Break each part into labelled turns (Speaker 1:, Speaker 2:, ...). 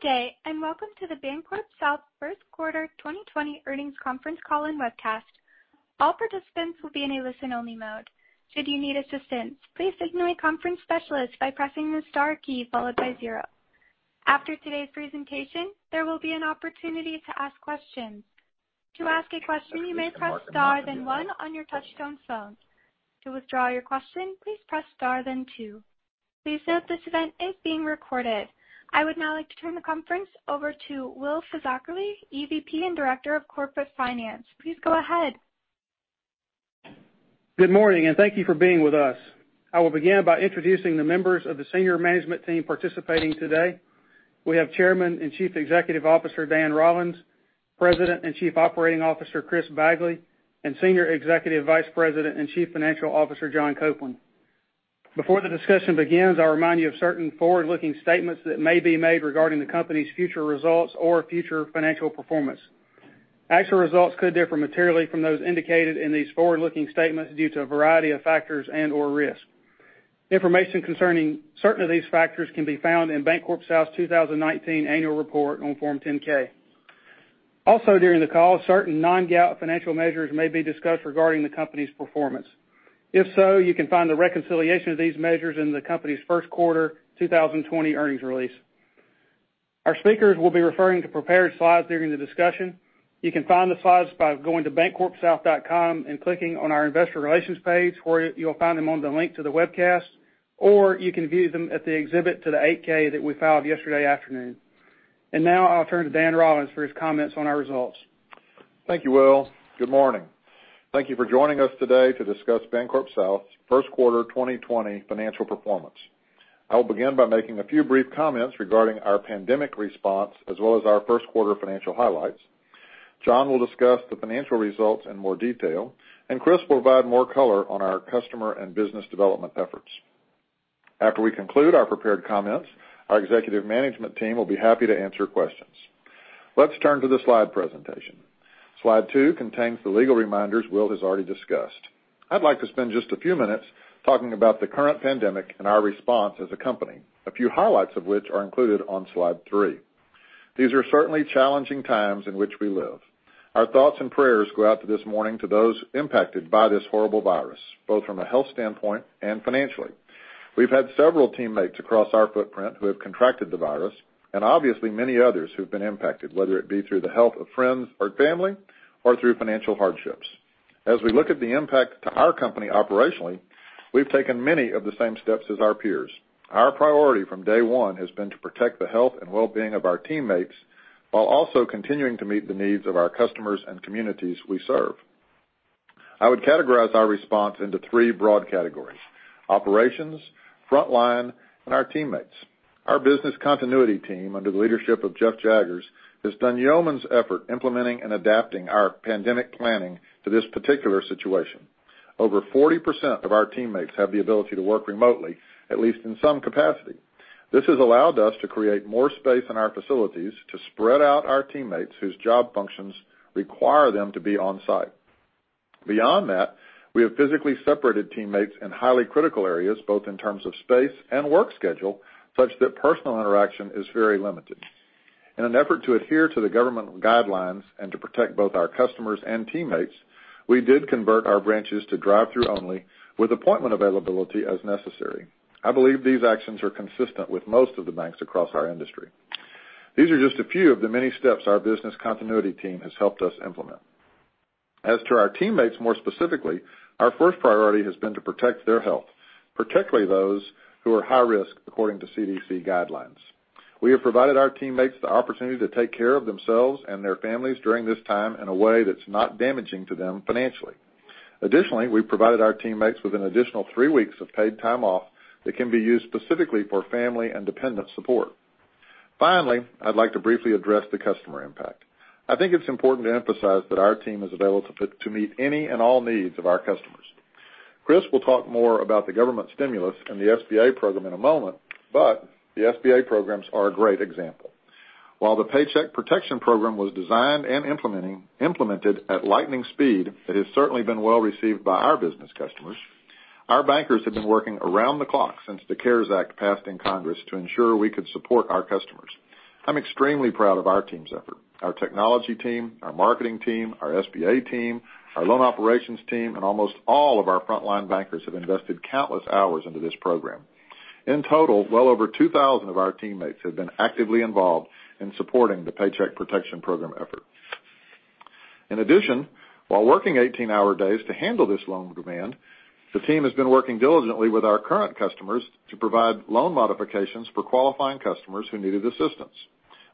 Speaker 1: Good day. Welcome to the BancorpSouth First Quarter 2020 Earnings Conference Call and Webcast. All participants will be in a listen-only mode. Should you need assistance, please signal a conference specialist by pressing the star key followed by zero. After today's presentation, there will be an opportunity to ask questions. To ask a question, you may press star, then one on your touch-tone phone. To withdraw your question, please press star, then two. Please note this event is being recorded. I would now like to turn the conference over to Will Fisackerly, EVP and Director of Corporate Finance. Please go ahead.
Speaker 2: Good morning, and thank you for being with us. I will begin by introducing the members of the senior management team participating today. We have Chairman and Chief Executive Officer, Dan Rollins, President and Chief Operating Officer, Chris Bagley, and Senior Executive Vice President and Chief Financial Officer, John Copeland. Before the discussion begins, I'll remind you of certain forward-looking statements that may be made regarding the company's future results or future financial performance. Actual results could differ materially from those indicated in these forward-looking statements due to a variety of factors and/or risk. Information concerning certain of these factors can be found in BancorpSouth's 2019 annual report on Form 10-K. Also during the call, certain non-GAAP financial measures may be discussed regarding the company's performance. If so, you can find the reconciliation of these measures in the company's first quarter 2020 earnings release. Our speakers will be referring to prepared slides during the discussion. You can find the slides by going to bancorpsouth.com and clicking on our investor relations page, or you'll find them on the link to the webcast, or you can view them at the exhibit to the 8-K that we filed yesterday afternoon. Now I'll turn to Dan Rollins for his comments on our results.
Speaker 3: Thank you, Will. Good morning. Thank you for joining us today to discuss BancorpSouth's first quarter 2020 financial performance. I will begin by making a few brief comments regarding our pandemic response as well as our first quarter financial highlights. John will discuss the financial results in more detail, and Chris will provide more color on our customer and business development efforts. After we conclude our prepared comments, our executive management team will be happy to answer questions. Let's turn to the slide presentation. Slide two contains the legal reminders Will has already discussed. I'd like to spend just a few minutes talking about the current pandemic and our response as a company, a few highlights of which are included on slide three. These are certainly challenging times in which we live. Our thoughts and prayers go out to this morning to those impacted by this horrible virus, both from a health standpoint and financially. We have had several teammates across our footprint who have contacted the virus and obviously many others who've been impacted, whether it be through the health of friends or family or through financial hardships. As we look at the impact to our company operationally, we've taken many of the same steps as our peers. Our priority from day one has been to protect the health and wellbeing of our teammates while also continuing to meet the needs of our customers and communities we serve. I would categorize our response into three broad categories, operations, frontline, and our teammates. Our business continuity team, under the leadership of Jeff Jaggers, has done yeoman's effort implementing and adapting our pandemic planning to this particular situation. Over 40% of our teammates have the ability to work remotely, at least in some capacity. This has allowed us to create more space in our facilities to spread out our teammates whose job functions require them to be on-site. Beyond that, we have physically separated teammates in highly critical areas, both in terms of space and work schedule, such that personal interaction is very limited. In an effort to adhere to the government guidelines and to protect both our customers and teammates, we did convert our branches to drive-through only with appointment availability as necessary. I believe these actions are consistent with most of the banks across our industry. These are just a few of the many steps our business continuity team has helped us implement. As to our teammates more specifically, our first priority has been to protect their health, particularly those who are high risk according to CDC guidelines. We have provided our teammates the opportunity to take care of themselves and their families during this time in a way that's not damaging to them financially. Additionally, we've provided our teammates with an additional three weeks of paid time off that can be used specifically for family and dependent support. Finally, I'd like to briefly address the customer impact. I think it's important to emphasize that our team is available to meet any and all needs of our customers. Chris will talk more about the government stimulus and the SBA program in a moment. The SBA programs are a great example. While the Paycheck Protection Program was designed and implemented at lightning speed, it has certainly been well received by our business customers. Our bankers have been working around the clock since the CARES Act passed in Congress to ensure we could support our customers. I'm extremely proud of our team's effort. Our technology team, our marketing team, our SBA team, our loan operations team, and almost all of our frontline bankers have invested countless hours into this program. In total, well over 2,000 of our teammates have been actively involved in supporting the Paycheck Protection Program effort. In addition, while working 18-hour days to handle this loan demand, the team has been working diligently with our current customers to provide loan modifications for qualifying customers who needed assistance.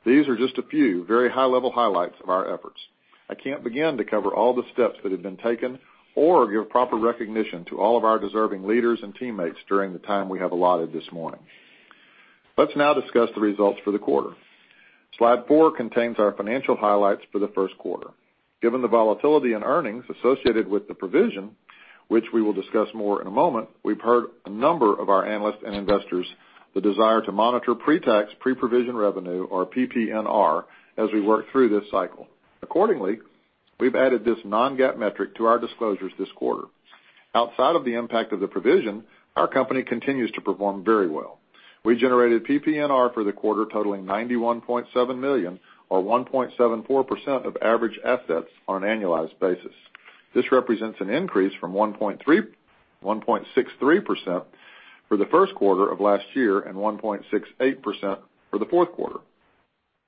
Speaker 3: These are just a few very high-level highlights of our efforts. I can't begin to cover all the steps that have been taken or give proper recognition to all of our deserving leaders and teammates during the time we have allotted this morning. Let's now discuss the results for the quarter. Slide four contains our financial highlights for the first quarter. Given the volatility in earnings associated with the provision, which we will discuss more in a moment, we've heard a number of our analysts and investors the desire to monitor pre-tax, pre-provision revenue, or PPNR, as we work through this cycle. We've added this non-GAAP metric to our disclosures this quarter. Outside of the impact of the provision, our company continues to perform very well. We generated PPNR for the quarter totaling $91.7 million or 1.74% of average assets on an annualized basis. This represents an increase from 1.63% for the first quarter of last year and 1.68% for the fourth quarter.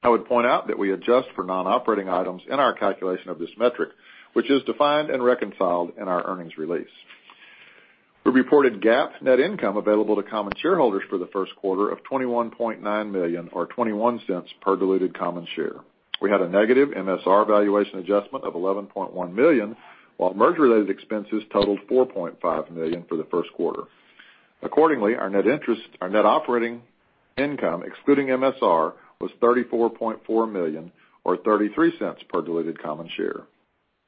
Speaker 3: I would point out that we adjust for non-operating items in our calculation of this metric, which is defined and reconciled in our earnings release. We reported GAAP net income available to common shareholders for the first quarter of $21.9 million or $0.21 per diluted common share. We had a negative MSR valuation adjustment of $11.1 million, while merger-related expenses totaled $4.5 million for the first quarter. Accordingly, our net operating income, excluding MSR, was $34.4 million or $0.33 per diluted common share.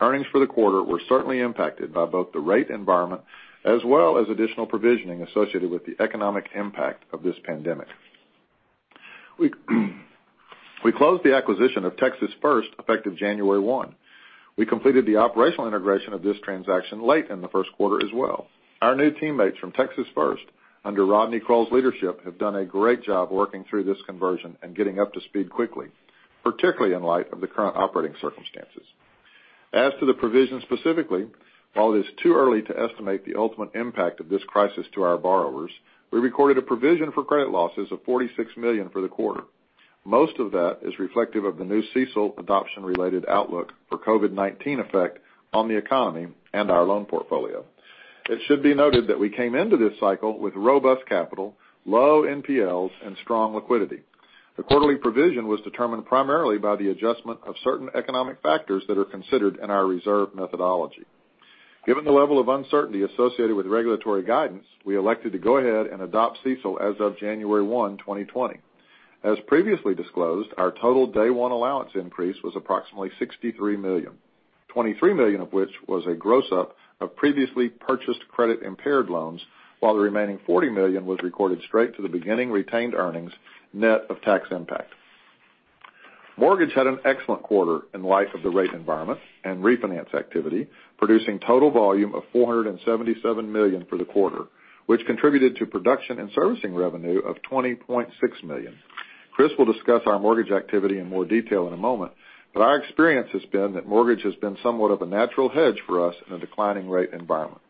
Speaker 3: Earnings for the quarter were certainly impacted by both the rate environment as well as additional provisioning associated with the economic impact of this pandemic. We closed the acquisition of Texas First effective January 1. We completed the operational integration of this transaction late in the first quarter as well. Our new teammates from Texas First, under Rodney Kroll's leadership, have done a great job working through this conversion and getting up to speed quickly, particularly in light of the current operating circumstances. As to the provision specifically, while it is too early to estimate the ultimate impact of this crisis to our borrowers, we recorded a provision for credit losses of $46 million for the quarter. Most of that is reflective of the new CECL adoption-related outlook for COVID-19 effect on the economy and our loan portfolio. It should be noted that we came into this cycle with robust capital, low NPLs, and strong liquidity. The quarterly provision was determined primarily by the adjustment of certain economic factors that are considered in our reserve methodology. Given the level of uncertainty associated with regulatory guidance, we elected to go ahead and adopt CECL as of January 1, 2020. As previously disclosed, our total day one allowance increase was approximately $63 million, $23 million of which was a gross-up of previously purchased credit-impaired loans, while the remaining $40 million was recorded straight to the beginning retained earnings, net of tax impact. Mortgage had an excellent quarter in light of the rate environment and refinance activity, producing total volume of $477 million for the quarter, which contributed to production and servicing revenue of $20.6 million. Chris will discuss our mortgage activity in more detail in a moment, but our experience has been that mortgage has been somewhat of a natural hedge for us in a declining rate environment.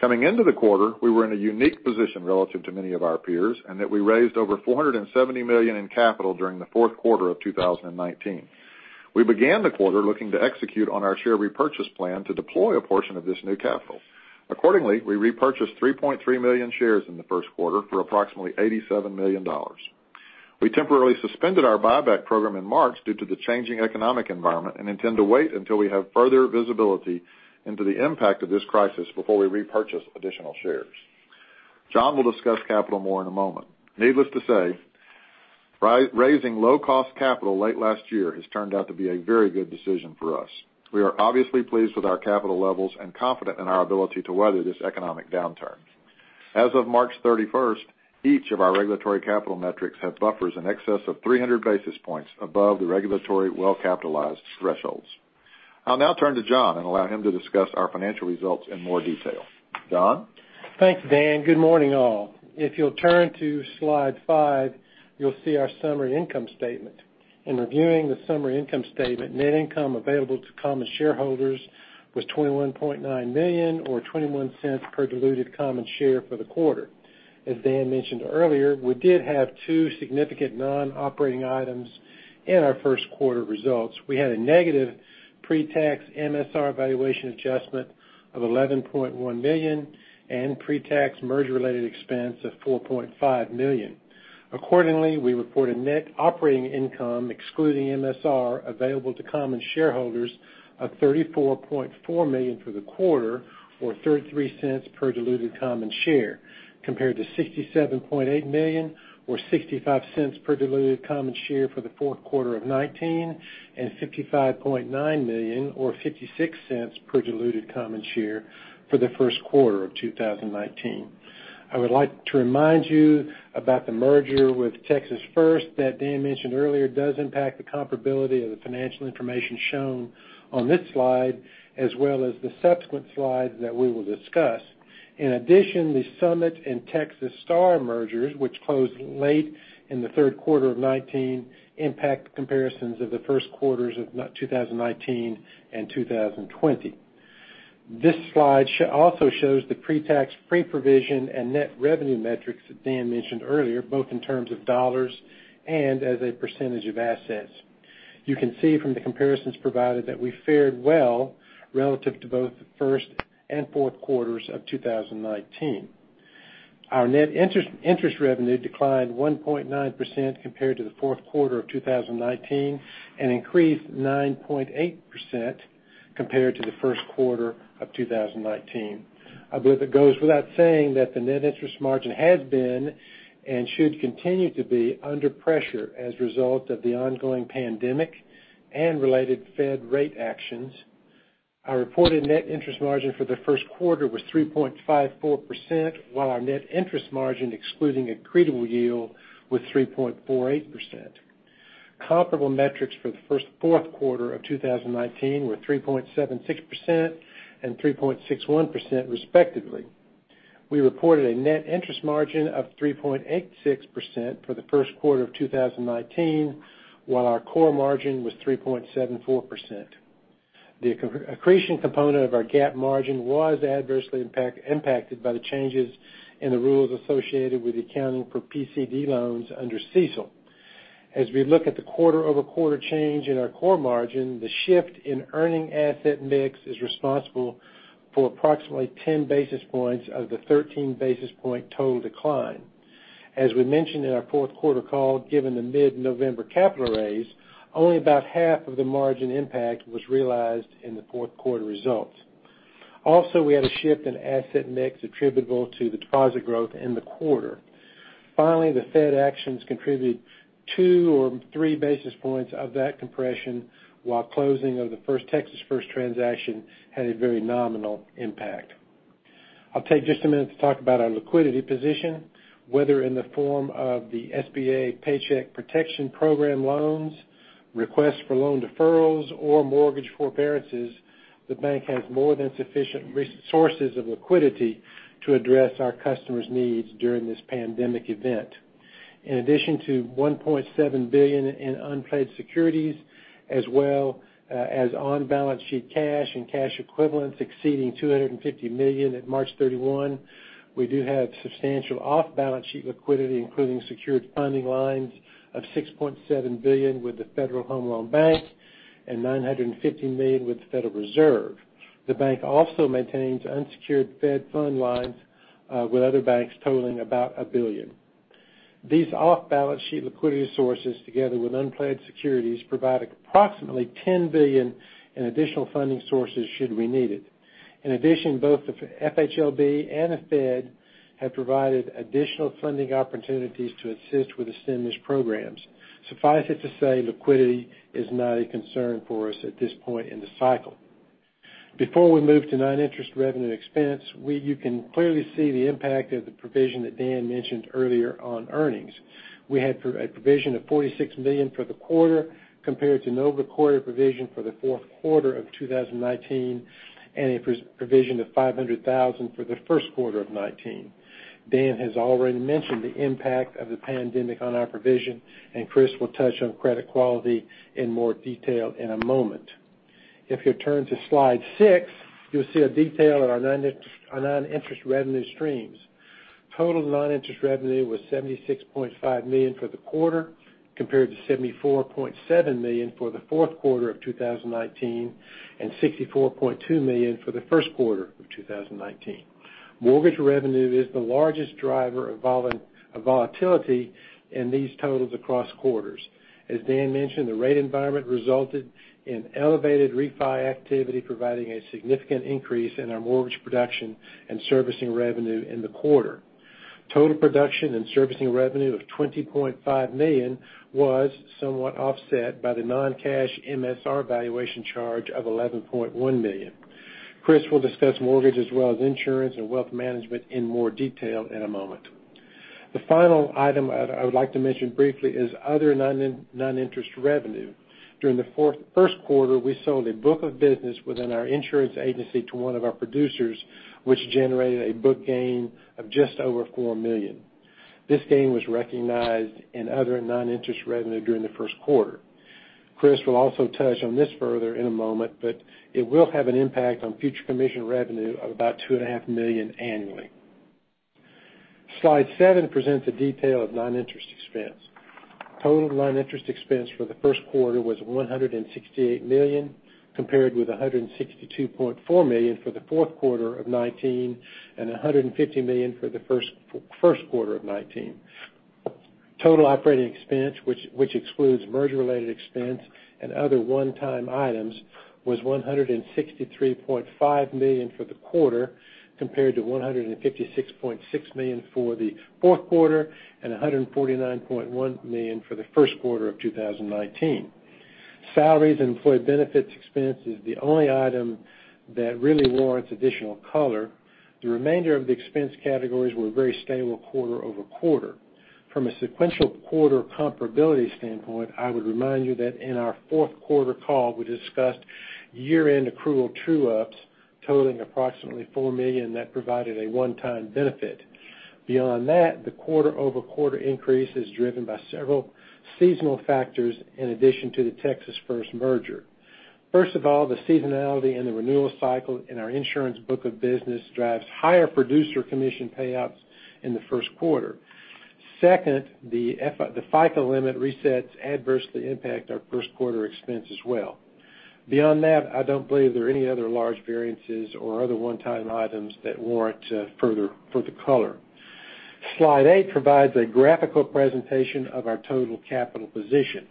Speaker 3: Coming into the quarter, we were in a unique position relative to many of our peers in that we raised over $470 million in capital during the fourth quarter of 2019. We began the quarter looking to execute on our share repurchase plan to deploy a portion of this new capital. Accordingly, we repurchased 3.3 million shares in the first quarter for approximately $87 million. We temporarily suspended our buyback program in March due to the changing economic environment and intend to wait until we have further visibility into the impact of this crisis before we repurchase additional shares. John will discuss capital more in a moment. Needless to say, raising low-cost capital late last year has turned out to be a very good decision for us. We are obviously pleased with our capital levels and confident in our ability to weather this economic downturn. As of March 31st, each of our regulatory capital metrics have buffers in excess of 300 basis points above the regulatory well-capitalized thresholds. I'll now turn to John and allow him to discuss our financial results in more detail. John?
Speaker 4: Thanks, Dan. Good morning, all. If you'll turn to slide five, you'll see our summary income statement. In reviewing the summary income statement, net income available to common shareholders was $21.9 million or $0.21 per diluted common share for the quarter. As Dan mentioned earlier, we did have two significant non-operating items in our first quarter results. We had a negative pre-tax MSR valuation adjustment of $11.1 million and pre-tax merger-related expense of $4.5 million. Accordingly, we reported net operating income excluding MSR available to common shareholders of $34.4 million for the quarter or $0.33 per diluted common share, compared to $67.8 million or $0.65 per diluted common share for the fourth quarter of 2019, and $55.9 million or $0.56 per diluted common share for the first quarter of 2019. I would like to remind you about the merger with Texas First that Dan mentioned earlier. It does impact the comparability of the financial information shown on this slide as well as the subsequent slides that we will discuss. The Summit and Texas Star mergers, which closed late in the third quarter of 2019, impact comparisons of the first quarters of 2019 and 2020. This slide also shows the pre-tax, pre-provision, and net revenue metrics that Dan mentioned earlier, both in terms of dollars and as a percentage of assets. You can see from the comparisons provided that we fared well relative to both the first and fourth quarters of 2019. Our net interest revenue declined 1.9% compared to the fourth quarter of 2019 and increased 9.8% compared to the first quarter of 2019. I believe it goes without saying that the net interest margin has been, and should continue to be, under pressure as a result of the ongoing pandemic and related Fed rate actions. Our reported net interest margin for the first quarter was 3.54%, while our net interest margin, excluding accretable yield, was 3.48%. Comparable metrics for the first fourth quarter of 2019 were 3.76% and 3.61% respectively. We reported a net interest margin of 3.86% for the first quarter of 2019, while our core margin was 3.74%. The accretion component of our gap margin was adversely impacted by the changes in the rules associated with accounting for PCD loans under CECL. As we look at the quarter-over-quarter change in our core margin, the shift in earning asset mix is responsible for approximately 10 basis points of the 13 basis point total decline. As we mentioned in our fourth quarter call, given the mid-November capital raise, only about half of the margin impact was realized in the fourth quarter results. Also, we had a shift in asset mix attributable to the deposit growth in the quarter. Finally, the Fed actions contributed two or three basis points of that compression, while closing of the Texas First transaction had a very nominal impact. I'll take just a minute to talk about our liquidity position, whether in the form of the SBA Paycheck Protection Program loans, requests for loan deferrals, or mortgage forbearances. The bank has more than sufficient resources of liquidity to address our customers' needs during this pandemic event. In addition to $1.7 billion in unpledged securities, as well as on-balance sheet cash and cash equivalents exceeding $250 million at March 31, we do have substantial off-balance sheet liquidity, including secured funding lines of $6.7 billion with the Federal Home Loan Bank and $950 million with the Federal Reserve. The bank also maintains unsecured Fed fund lines with other banks totaling about $1 billion. These off-balance sheet liquidity sources, together with unpledged securities, provide approximately $10 billion in additional funding sources should we need it. In addition, both the FHLB and the Fed have provided additional funding opportunities to assist with the stimulus programs. Suffice it to say, liquidity is not a concern for us at this point in the cycle. Before we move to non-interest revenue and expense, you can clearly see the impact of the provision that Dan mentioned earlier on earnings. We had a provision of $46 million for the quarter, compared to no recorded provision for the fourth quarter of 2019, and a provision of $500,000 for the first quarter of 2019. Dan has already mentioned the impact of the pandemic on our provision, and Chris will touch on credit quality in more detail in a moment. If you turn to slide six, you'll see a detail of our non-interest revenue streams. Total non-interest revenue was $76.5 million for the quarter, compared to $74.7 million for the fourth quarter of 2019, and $64.2 million for the first quarter of 2019. Mortgage revenue is the largest driver of volatility in these totals across quarters. As Dan mentioned, the rate environment resulted in elevated refi activity, providing a significant increase in our mortgage production and servicing revenue in the quarter. Total production and servicing revenue of $20.5 million was somewhat offset by the non-cash MSR valuation charge of $11.1 million. Chris will discuss mortgage as well as insurance and wealth management in more detail in a moment. The final item I would like to mention briefly is other non-interest revenue. During the first quarter, we sold a book of business within our insurance agency to one of our producers, which generated a book gain of just over $4 million. This gain was recognized in other non-interest revenue during the first quarter. Chris will also touch on this further in a moment, but it will have an impact on future commission revenue of about $2.5 million annually. Slide seven presents a detail of non-interest expense. Total non-interest expense for the first quarter was $168 million, compared with $162.4 million for the fourth quarter of 2019 and $150 million for the first quarter of 2019. Total operating expense, which excludes merger-related expense and other one-time items, was $163.5 million for the quarter, compared to $156.6 million for the fourth quarter and $149.1 million for the first quarter of 2019. Salaries and employee benefits expense is the only item that really warrants additional color. The remainder of the expense categories were very stable quarter-over-quarter. From a sequential quarter comparability standpoint, I would remind you that in our fourth quarter call, we discussed year-end accrual true-ups totaling approximately $4 million that provided a one-time benefit. Beyond that, the quarter-over-quarter increase is driven by several seasonal factors in addition to the Texas First merger. First of all, the seasonality and the renewal cycle in our insurance book of business drives higher producer commission payouts in the first quarter. Second, the FICA limit resets adversely impact our first quarter expense as well. Beyond that, I don't believe there are any other large variances or other one-time items that warrant further color. Slide eight provides a graphical presentation of our total capital position.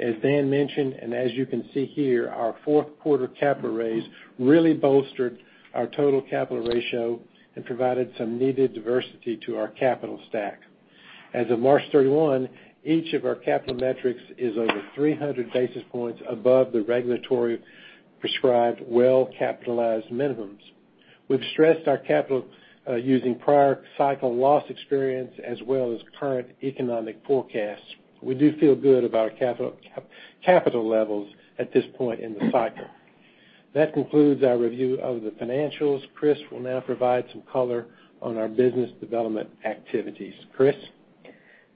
Speaker 4: As Dan mentioned, and as you can see here, our fourth quarter capital raise really bolstered our total capital ratio and provided some needed diversity to our capital stack. As of March 31, each of our capital metrics is over 300 basis points above the regulatory prescribed well-capitalized minimums. We've stressed our capital using prior cycle loss experience as well as current economic forecasts. We do feel good about our capital levels at this point in the cycle. That concludes our review of the financials. Chris will now provide some color on our business development activities.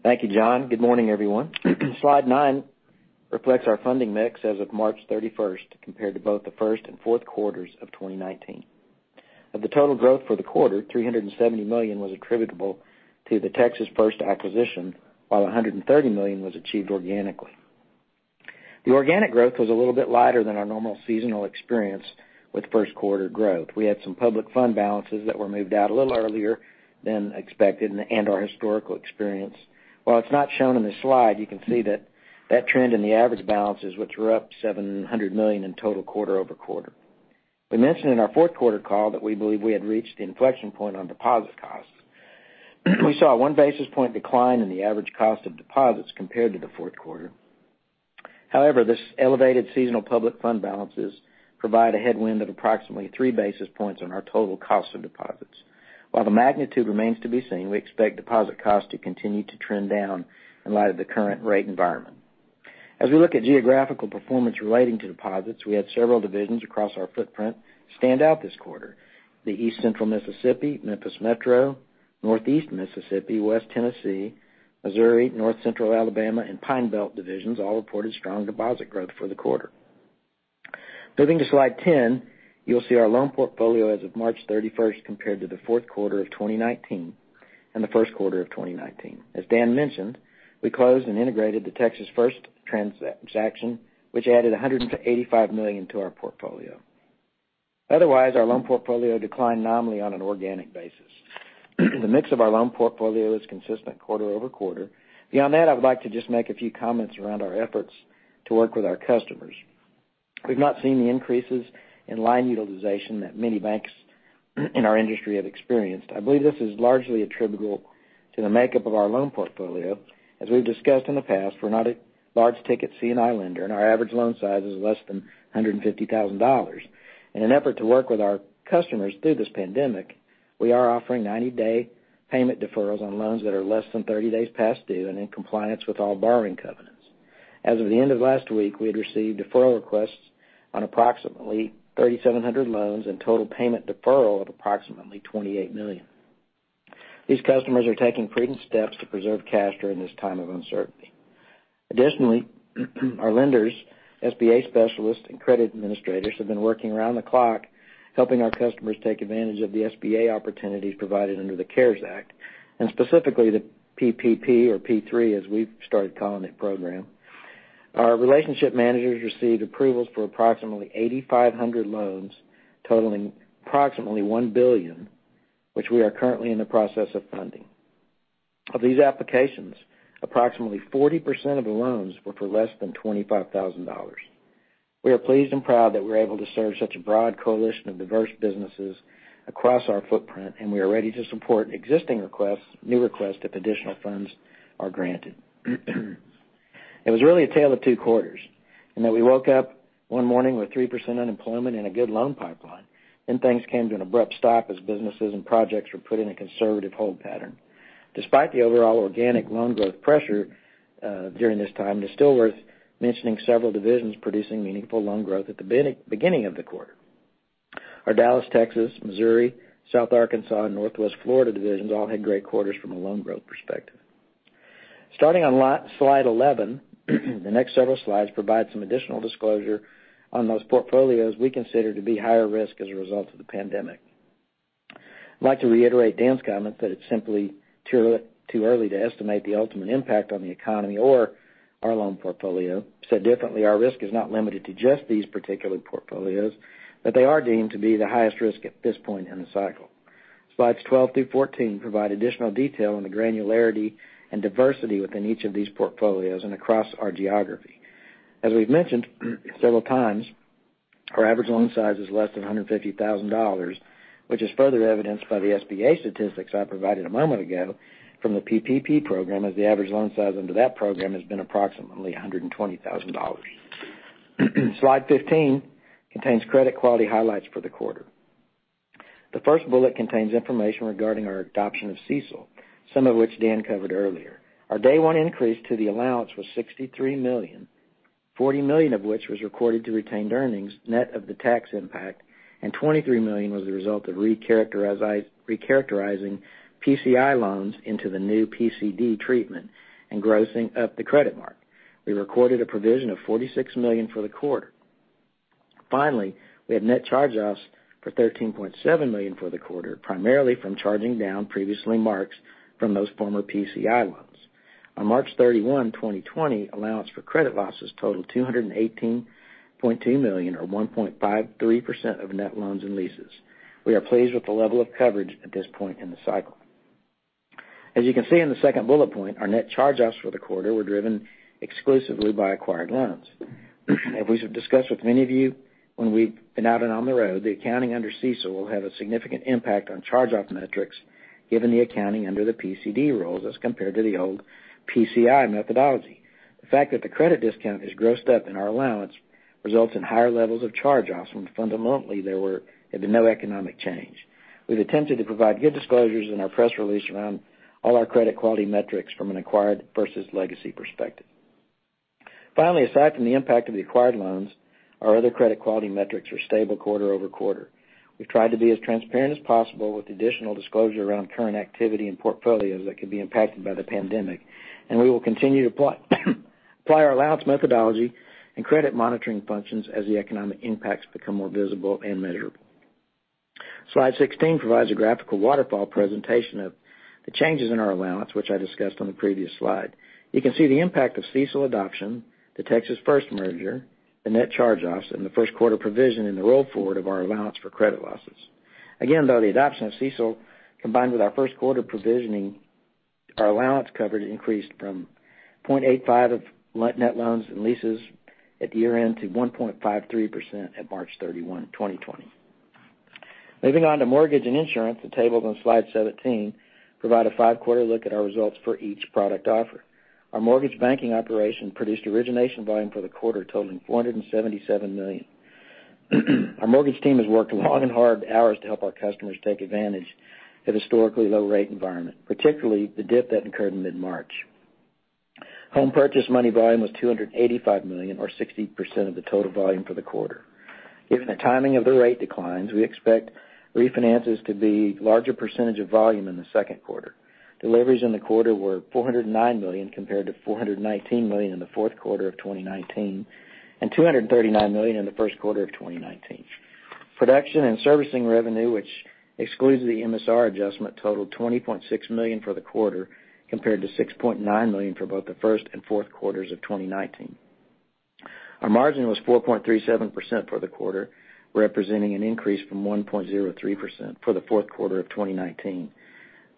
Speaker 4: Chris?
Speaker 5: Thank you, John. Good morning, everyone. Slide nine reflects our funding mix as of March 31st, compared to both the first and fourth quarters of 2019. Of the total growth for the quarter, $370 million was attributable to the Texas First acquisition, while $130 million was achieved organically. The organic growth was a little bit lighter than our normal seasonal experience with first quarter growth. We had some public fund balances that were moved out a little earlier than expected and our historical experience. While it's not shown in this slide, you can see that trend in the average balances, which were up $700 million in total quarter-over-quarter. We mentioned in our fourth quarter call that we believe we had reached the inflection point on deposit costs. We saw a one-basis point decline in the average cost of deposits compared to the fourth quarter. However, this elevated seasonal public fund balances provide a headwind of approximately 3 basis points on our total cost of deposits. While the magnitude remains to be seen, we expect deposit costs to continue to trend down in light of the current rate environment. As we look at geographical performance relating to deposits, we had several divisions across our footprint stand out this quarter. The East Central Mississippi, Memphis Metro, Northeast Mississippi, West Tennessee, Missouri, North Central Alabama, and Pine Belt divisions all reported strong deposit growth for the quarter. Moving to slide 10, you'll see our loan portfolio as of March 31st compared to the fourth quarter of 2019 and the first quarter of 2019. As Dan mentioned, we closed and integrated the Texas First transaction, which added $185 million to our portfolio. Otherwise, our loan portfolio declined nominally on an organic basis. The mix of our loan portfolio is consistent quarter-over-quarter. Beyond that, I would like to just make a few comments around our efforts to work with our customers. We've not seen the increases in line utilization that many banks in our industry have experienced. I believe this is largely attributable to the makeup of our loan portfolio. As we've discussed in the past, we're not a large-ticket C&I lender, and our average loan size is less than $150,000. In an effort to work with our customers through this pandemic, we are offering 90-day payment deferrals on loans that are less than 30 days past due and in compliance with all borrowing covenants. As of the end of last week, we had received deferral requests on approximately 3,700 loans and total payment deferral of approximately $28 million. These customers are taking prudent steps to preserve cash during this time of uncertainty. Additionally, our lenders, SBA specialists, and credit administrators have been working around the clock, helping our customers take advantage of the SBA opportunities provided under the CARES Act, and specifically the PPP or P3, as we've started calling it, program. Our relationship managers received approvals for approximately 8,500 loans totaling approximately $1 billion, which we are currently in the process of funding. Of these applications, approximately 40% of the loans were for less than $25,000. We are pleased and proud that we're able to serve such a broad coalition of diverse businesses across our footprint, and we are ready to support existing requests, new requests, if additional funds are granted. It was really a tale of two quarters, in that we woke up one morning with 3% unemployment and a good loan pipeline. Things came to an abrupt stop as businesses and projects were put in a conservative hold pattern. Despite the overall organic loan growth pressure during this time, it's still worth mentioning several divisions producing meaningful loan growth at the beginning of the quarter. Our Dallas, Texas, Missouri, South Arkansas, and Northwest Florida divisions all had great quarters from a loan growth perspective. Starting on slide 11, the next several slides provide some additional disclosure on those portfolios we consider to be higher risk as a result of the pandemic. I'd like to reiterate Dan's comments that it's simply too early to estimate the ultimate impact on the economy or our loan portfolio. Said differently, our risk is not limited to just these particular portfolios, but they are deemed to be the highest risk at this point in the cycle. Slides 12 through 14 provide additional detail on the granularity and diversity within each of these portfolios and across our geography. As we've mentioned several times, our average loan size is less than $150,000, which is further evidenced by the SBA statistics I provided a moment ago from the PPP program, as the average loan size under that program has been approximately $120,000. Slide 15 contains credit quality highlights for the quarter. The first bullet contains information regarding our adoption of CECL, some of which Dan covered earlier. Our day one increase to the allowance was $63 million, $40 million of which was recorded to retained earnings net of the tax impact, and $23 million was the result of recharacterizing PCI loans into the new PCD treatment and grossing up the credit mark. We recorded a provision of $46 million for the quarter. Finally, we have net charge-offs for $13.7 million for the quarter, primarily from charging down previously marks from those former PCI loans. On March 31, 2020, allowance for credit losses totaled $218.2 million or 1.53% of net loans and leases. We are pleased with the level of coverage at this point in the cycle. You can see in the second bullet point, our net charge-offs for the quarter were driven exclusively by acquired loans. We have discussed with many of you when we've been out and on the road, the accounting under CECL will have a significant impact on charge-off metrics given the accounting under the PCD rules as compared to the old PCI methodology. The fact that the credit discount is grossed up in our allowance results in higher levels of charge-offs when fundamentally there had been no economic change. We've attempted to provide good disclosures in our press release around all our credit quality metrics from an acquired versus legacy perspective. Aside from the impact of the acquired loans, our other credit quality metrics are stable quarter-over-quarter. We've tried to be as transparent as possible with additional disclosure around current activity and portfolios that could be impacted by the pandemic. We will continue to apply our allowance methodology and credit monitoring functions as the economic impacts become more visible and measurable. Slide 16 provides a graphical waterfall presentation of the changes in our allowance, which I discussed on the previous slide. You can see the impact of CECL adoption, the Texas First merger, the net charge-offs, and the first quarter provision in the roll-forward of our allowance for credit losses. Though, the adoption of CECL, combined with our first quarter provisioning, our allowance coverage increased from 0.85 of net loans and leases at the year-end to 1.53% at March 31, 2020. Moving on to mortgage and insurance, the tables on slide 17 provide a five-quarter look at our results for each product offer. Our mortgage banking operation produced origination volume for the quarter totaling $477 million. Our mortgage team has worked long and hard hours to help our customers take advantage of the historically low rate environment, particularly the dip that occurred in mid-March. Home purchase money volume was $285 million, or 60% of the total volume for the quarter. Given the timing of the rate declines, we expect refinances to be a larger percentage of volume in the second quarter. Deliveries in the quarter were $409 million, compared to $419 million in the fourth quarter of 2019, and $239 million in the first quarter of 2019. Production and servicing revenue, which excludes the MSR adjustment, totaled $20.6 million for the quarter, compared to $6.9 million for both the first and fourth quarters of 2019. Our margin was 4.37% for the quarter, representing an increase from 1.03% for the fourth quarter of 2019.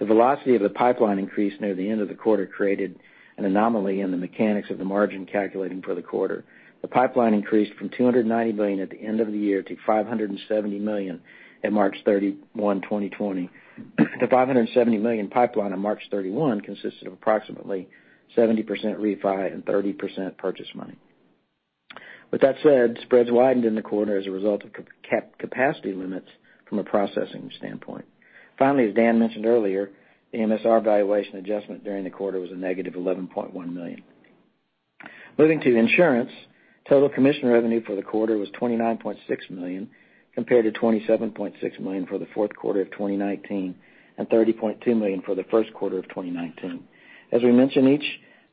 Speaker 5: The velocity of the pipeline increase near the end of the quarter created an anomaly in the mechanics of the margin calculating for the quarter. The pipeline increased from $290 million at the end of the year to $570 million at March 31, 2020. The $570 million pipeline on March 31 consisted of approximately 70% refi and 30% purchase money. With that said, spreads widened in the quarter as a result of capacity limits from a processing standpoint. Finally, as Dan mentioned earlier, the MSR valuation adjustment during the quarter was a negative $11.1 million. Moving to insurance, total commission revenue for the quarter was $29.6 million, compared to $27.6 million for the fourth quarter of 2019, and $30.2 million for the first quarter of 2019. As we mention each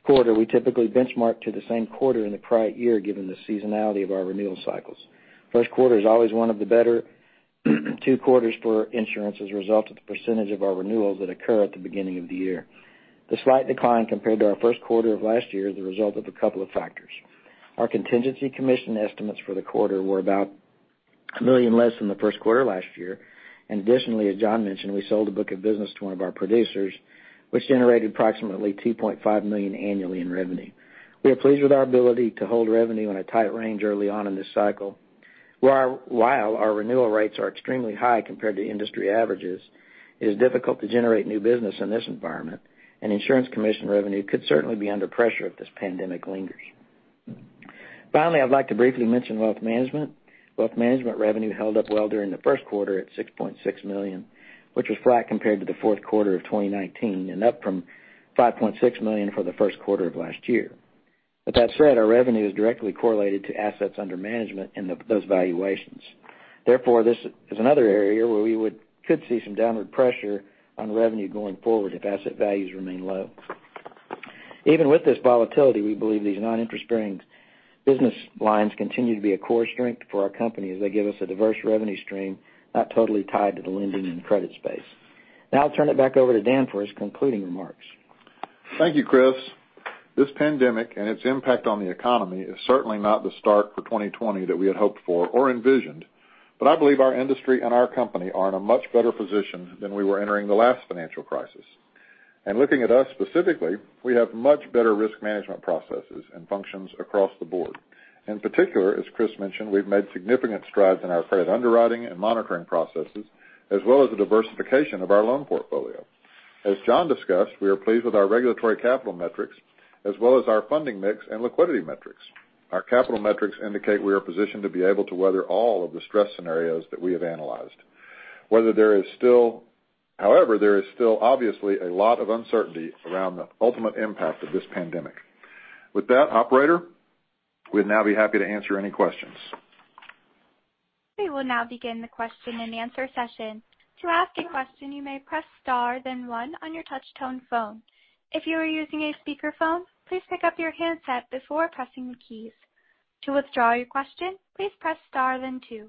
Speaker 5: quarter, we typically benchmark to the same quarter in the prior year given the seasonality of our renewal cycles. First quarter is always one of the better two quarters for insurance as a result of the percentage of our renewals that occur at the beginning of the year. The slight decline compared to our first quarter of last year is the result of a couple of factors. Our contingency commission estimates for the quarter were about $1 million less than the first quarter of last year. Additionally, as John mentioned, we sold a book of business to one of our producers, which generated approximately $2.5 million annually in revenue. We are pleased with our ability to hold revenue in a tight range early on in this cycle. While our renewal rates are extremely high compared to industry averages, it is difficult to generate new business in this environment. Insurance commission revenue could certainly be under pressure if this pandemic lingers. Finally, I'd like to briefly mention wealth management. Wealth management revenue held up well during the first quarter at $6.6 million, which was flat compared to the fourth quarter of 2019. Up from $5.6 million for the first quarter of last year. With that said, our revenue is directly correlated to assets under management and those valuations. Therefore, this is another area where we could see some downward pressure on revenue going forward if asset values remain low. Even with this volatility, we believe these non-interest-bearing business lines continue to be a core strength for our company as they give us a diverse revenue stream, not totally tied to the lending and credit space. Now I'll turn it back over to Dan for his concluding remarks.
Speaker 3: Thank you, Chris. This pandemic and its impact on the economy is certainly not the start for 2020 that we had hoped for or envisioned, but I believe our industry and our company are in a much better position than we were entering the last financial crisis. Looking at us specifically, we have much better risk management processes and functions across the board. In particular, as Chris mentioned, we've made significant strides in our credit underwriting and monitoring processes, as well as the diversification of our loan portfolio. As John discussed, we are pleased with our regulatory capital metrics, as well as our funding mix and liquidity metrics. Our capital metrics indicate we are positioned to be able to weather all of the stress scenarios that we have analyzed. There is still obviously a lot of uncertainty around the ultimate impact of this pandemic. With that, Operator, we'd now be happy to answer any questions.
Speaker 1: We will now begin the question and answer session. To ask a question, you may press star then one on your touch-tone phone. If you are using a speakerphone, please pick up your handset before pressing the keys. To withdraw your question, please press star then two.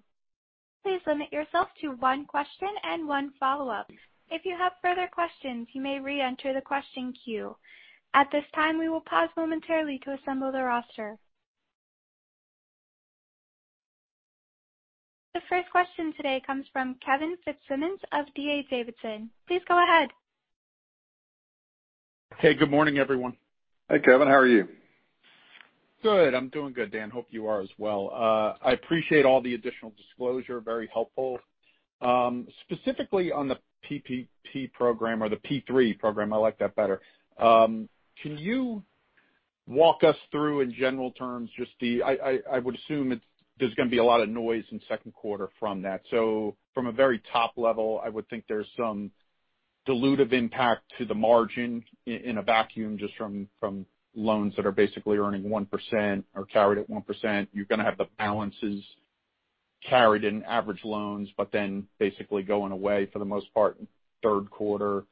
Speaker 1: Please limit yourself to one question and one follow-up. If you have further questions, you may re-enter the question queue. At this time, we will pause momentarily to assemble the roster. The first question today comes from Kevin Fitzsimmons of D.A. Davidson. Please go ahead.
Speaker 6: Hey, good morning, everyone.
Speaker 3: Hey, Kevin. How are you?
Speaker 6: Good. I'm doing good, Dan. Hope you are as well. I appreciate all the additional disclosure. Very helpful. Specifically on the PPP program or the P3 program, I like that better. Can you walk us through in general terms? I would assume there's going to be a lot of noise in second quarter from that. From a very top level, I would think there's some dilutive impact to the margin in a vacuum just from loans that are basically earning 1% or carried at 1%. You're going to have the balances carried in average loans. Then basically going away for the most part in third quarter.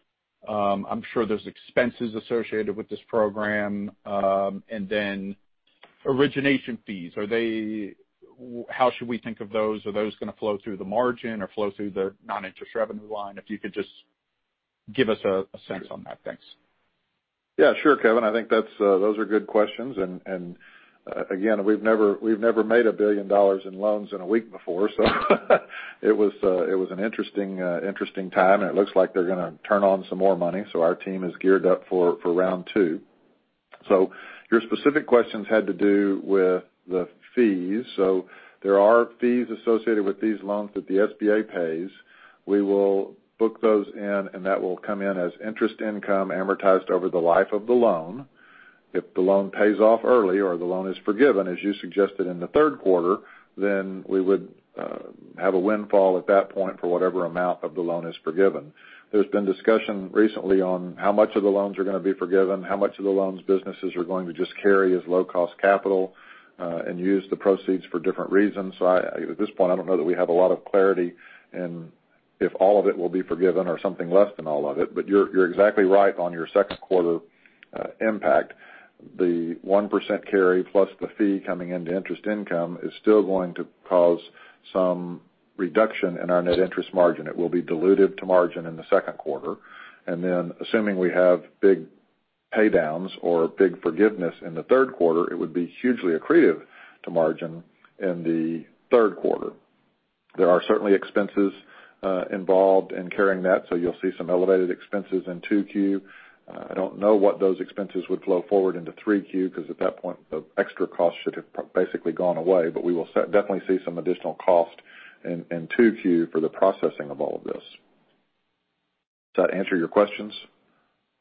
Speaker 6: I'm sure there's expenses associated with this program. Origination fees, how should we think of those? Are those going to flow through the margin or flow through the non-interest revenue line? If you could just give us a sense on that. Thanks.
Speaker 3: Sure, Kevin. I think those are good questions. Again, we've never made $1 billion in loans in a week before, so it was an interesting time, and it looks like they're going to turn on some more money, so our team is geared up for round two. Your specific questions had to do with the fees. There are fees associated with these loans that the SBA pays. We will book those in, and that will come in as interest income amortized over the life of the loan. If the loan pays off early or the loan is forgiven, as you suggested in the third quarter, then we would have a windfall at that point for whatever amount of the loan is forgiven. There's been discussion recently on how much of the loans are going to be forgiven, how much of the loans businesses are going to just carry as low-cost capital, and use the proceeds for different reasons. At this point, I don't know that we have a lot of clarity in if all of it will be forgiven or something less than all of it. You're exactly right on your second quarter impact. The 1% carry plus the fee coming into interest income is still going to cause some reduction in our net interest margin. It will be diluted to margin in the second quarter. Then assuming we have big paydowns or big forgiveness in the third quarter, it would be hugely accretive to margin in the third quarter. There are certainly expenses involved in carrying that, so you'll see some elevated expenses in 2Q. I don't know what those expenses would flow forward into 3Q because at that point, the extra cost should have basically gone away. We will definitely see some additional cost in 2Q for the processing of all of this. Does that answer your questions?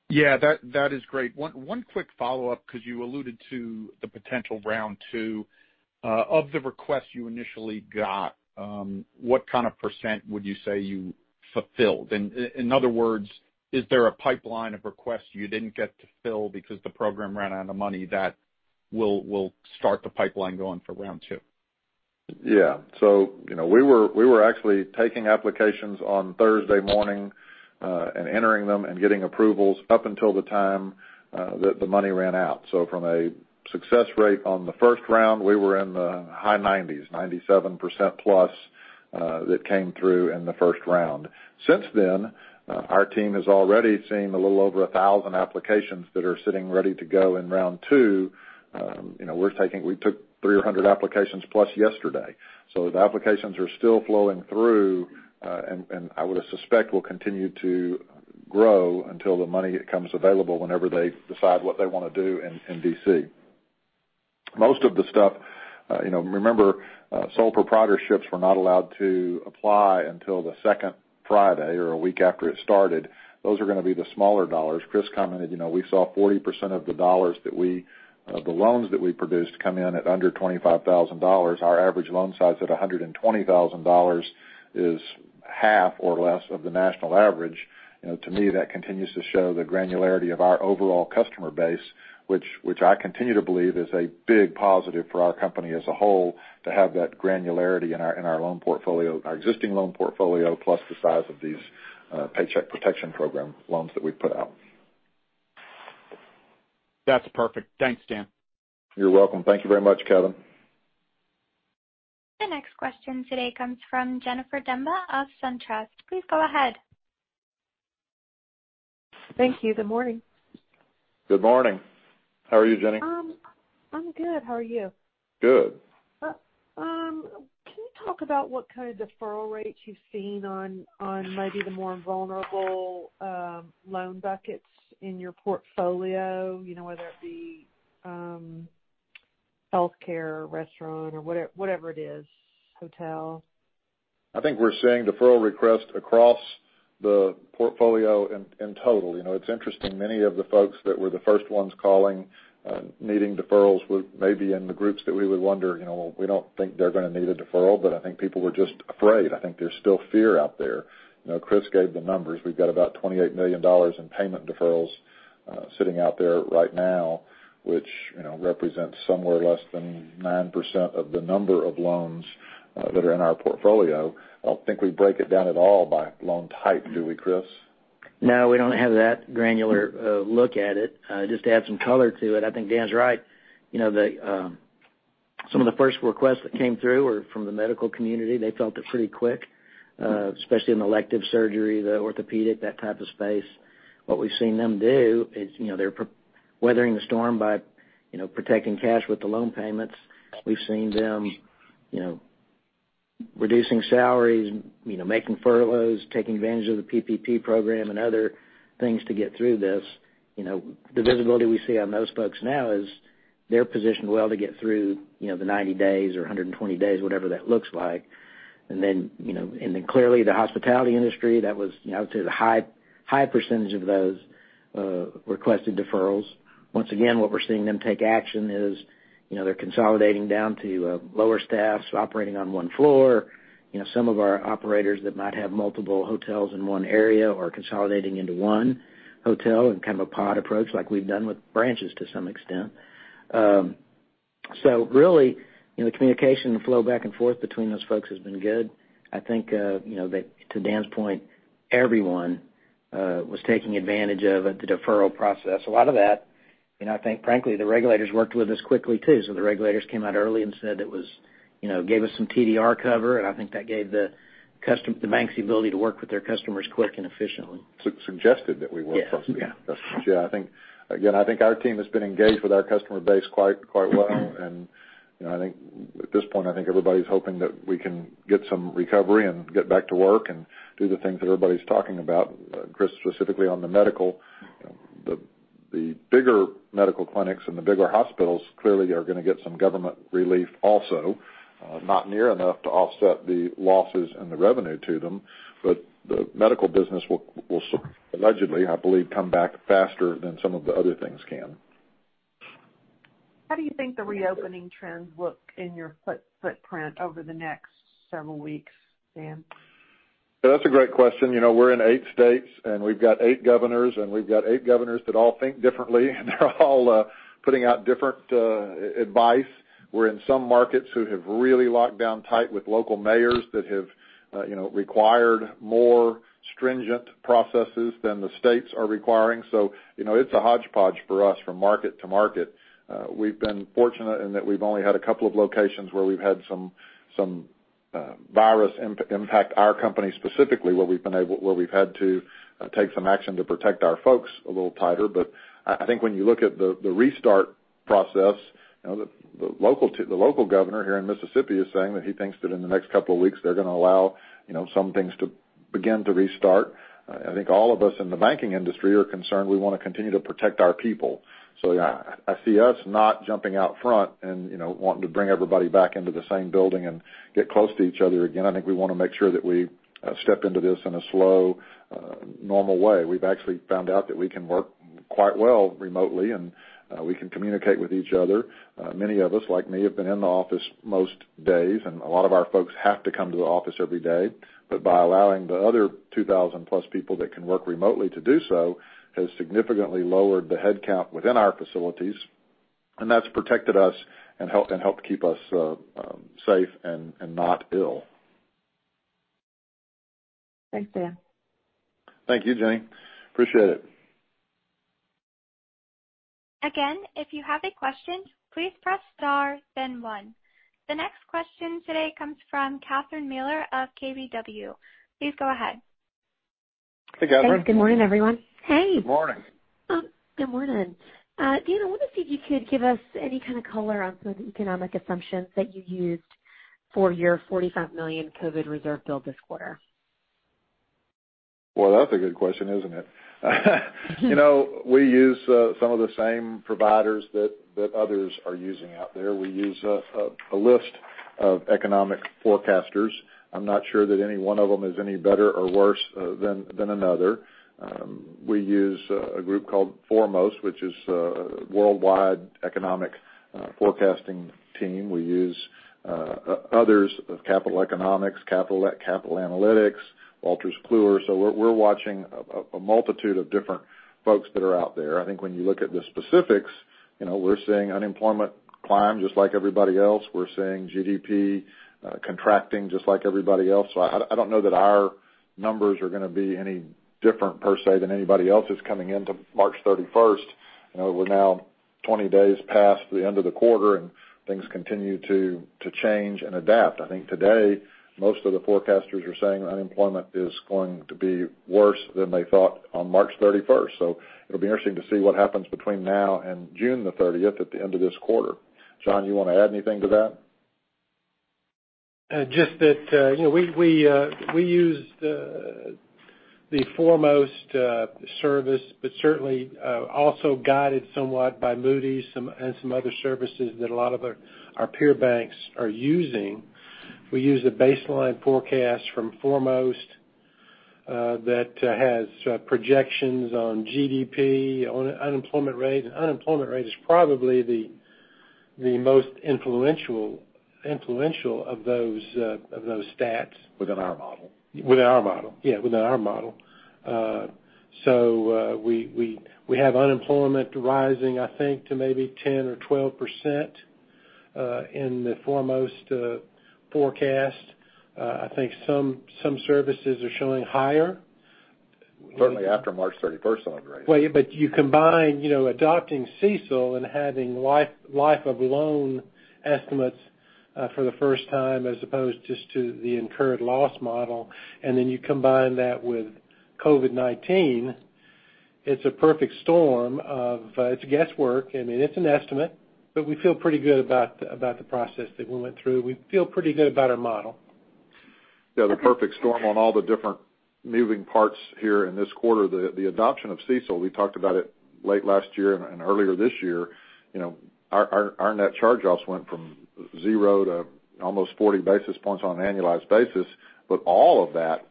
Speaker 6: Yeah, that is great. One quick follow-up because you alluded to the potential round two. Of the requests you initially got, what kind of percent would you say you fulfilled? In other words, is there a pipeline of requests you didn't get to fill because the Program ran out of money that will start the pipeline going for round two?
Speaker 3: Yeah. We were actually taking applications on Thursday morning, and entering them and getting approvals up until the time that the money ran out. From a success rate on the first round, we were in the high 90s, 97%+ that came through in the first round. Since then, our team has already seen a little over 1,000 applications that are sitting ready to go in round two. We took 300 applications plus yesterday. The applications are still flowing through, and I would suspect will continue to grow until the money becomes available whenever they decide what they want to do in D.C. Most of the stuff, remember, sole proprietorships were not allowed to apply until the second Friday or a week after it started. Those are going to be the smaller dollars. Chris commented we saw 40% of the loans that we produced come in at under $25,000. Our average loan size at $120,000 is half or less of the national average. To me, that continues to show the granularity of our overall customer base, which I continue to believe is a big positive for our company as a whole to have that granularity in our existing loan portfolio, plus the size of these Paycheck Protection Program loans that we've put out.
Speaker 6: That's perfect. Thanks, Dan.
Speaker 3: You're welcome. Thank you very much, Kevin.
Speaker 1: The next question today comes from Jennifer Demba of SunTrust. Please go ahead.
Speaker 7: Thank you. Good morning.
Speaker 3: Good morning. How are you, Jenny?
Speaker 7: I'm good. How are you?
Speaker 3: Good.
Speaker 7: Can you talk about what kind of deferral rates you've seen on maybe the more vulnerable loan buckets in your portfolio, whether it be healthcare, restaurant or whatever it is, hotel?
Speaker 3: I think we're seeing deferral requests across the portfolio in total. It's interesting, many of the folks that were the first ones calling, needing deferrals were maybe in the groups that we would wonder, we don't think they're going to need a deferral, but I think people were just afraid. I think there's still fear out there. Chris gave the numbers. We've got about $28 million in payment deferrals sitting out there right now, which represents somewhere less than 9% of the number of loans that are in our portfolio. I don't think we break it down at all by loan type, do we, Chris?
Speaker 5: No, we don't have that granular look at it. Just to add some color to it, I think Dan's right. Some of the first requests that came through were from the medical community. They felt it pretty quick, especially in elective surgery, the orthopedic, that type of space. What we've seen them do is they're weathering the storm by protecting cash with the loan payments. We've seen them reducing salaries, making furloughs, taking advantage of the PPP Program and other things to get through this. The visibility we see on those folks now is they're positioned well to get through the 90 days or 120 days, whatever that looks like. Clearly the hospitality industry, that was, I would say the high High percentage of those requested deferrals. What we're seeing them take action is, they're consolidating down to lower staffs operating on one floor. Some of our operators that might have multiple hotels in one area are consolidating into one hotel in kind of a pod approach, like we've done with branches to some extent. Really, the communication flow back and forth between those folks has been good. I think, that to Dan's point, everyone was taking advantage of the deferral process. A lot of that, I think frankly, the regulators worked with us quickly too. The regulators came out early and said it gave us some TDR cover, and I think that gave the banks the ability to work with their customers quick and efficiently.
Speaker 3: Suggested that we work closely with customers.
Speaker 5: Yes. Yeah.
Speaker 3: Yeah, again, I think our team has been engaged with our customer base quite well, and I think at this point, I think everybody's hoping that we can get some recovery and get back to work and do the things that everybody's talking about. Chris, specifically on the medical, the bigger medical clinics and the bigger hospitals clearly are going to get some government relief also. Not near enough to offset the losses and the revenue to them, the medical business will allegedly, I believe, come back faster than some of the other things can.
Speaker 7: How do you think the reopening trends look in your footprint over the next several weeks, Dan?
Speaker 3: That's a great question. We're in eight states. We've got eight governors. We've got eight governors that all think differently. They're all putting out different advice. We're in some markets who have really locked down tight with local mayors that have required more stringent processes than the states are requiring. It's a hodgepodge for us from market to market. We've been fortunate in that we've only had a couple of locations where we've had some virus impact our company specifically, where we've had to take some action to protect our folks a little tighter. I think when you look at the restart process, the local governor here in Mississippi is saying that he thinks that in the next couple of weeks, they're going to allow some things to begin to restart. I think all of us in the banking industry are concerned. We want to continue to protect our people. Yeah, I see us not jumping out front and wanting to bring everybody back into the same building and get close to each other again. I think we want to make sure that we step into this in a slow, normal way. We've actually found out that we can work quite well remotely, and we can communicate with each other. Many of us, like me, have been in the office most days, and a lot of our folks have to come to the office every day. By allowing the other 2,000+ people that can work remotely to do so has significantly lowered the headcount within our facilities, and that's protected us and helped keep us safe and not ill.
Speaker 7: Thanks, Dan.
Speaker 3: Thank you, Jenny. Appreciate it.
Speaker 1: Again, if you have a question, please press star then one. The next question today comes from Catherine Mealor of KBW. Please go ahead.
Speaker 3: Hey, Catherine.
Speaker 8: Thanks. Good morning, everyone. Hey.
Speaker 3: Morning.
Speaker 8: Good morning. Dan, I wanted to see if you could give us any kind of color on some of the economic assumptions that you used for your $45 million COVID reserve build this quarter?
Speaker 3: Well, that's a good question, isn't it? We use some of the same providers that others are using out there. We use a list of economic forecasters. I'm not sure that any one of them is any better or worse than another. We use a group called 4most, which is a worldwide economic forecasting team. We use others, Capital Economics, Capital Analytics, Wolters Kluwer. We're watching a multitude of different folks that are out there. I think when you look at the specifics, we're seeing unemployment climb just like everybody else. We're seeing GDP contracting just like everybody else. I don't know that our numbers are going to be any different, per se, than anybody else's coming into March 31st. We're now 20 days past the end of the quarter, and things continue to change and adapt. I think today, most of the forecasters are saying unemployment is going to be worse than they thought on March 31st. It'll be interesting to see what happens between now and June the 30th at the end of this quarter. John, you want to add anything to that?
Speaker 4: Just that we used the 4most service, certainly, also guided somewhat by Moody's and some other services that a lot of our peer banks are using. We use a baseline forecast from 4most that has projections on GDP, on unemployment rate. Unemployment rate is probably the most influential of those stats.
Speaker 3: Within our model.
Speaker 4: Within our model. Yeah, within our model. We have unemployment rising, I think, to maybe 10% or 12% in the 4most forecast. I think some services are showing higher.
Speaker 3: Certainly after March 31st on, right?
Speaker 4: Well yeah, but you combine adopting CECL and having life of loan estimates for the first time as opposed just to the incurred loss model, and then you combine that with COVID-19, it's a perfect storm of guesswork, and it's an estimate, but we feel pretty good about the process that we went through. We feel pretty good about our model.
Speaker 3: Yeah, the perfect storm on all the different moving parts here in this quarter. The adoption of CECL, we talked about it late last year and earlier this year. Our net charge-offs went from zero to almost 40 basis points on an annualized basis. All of that,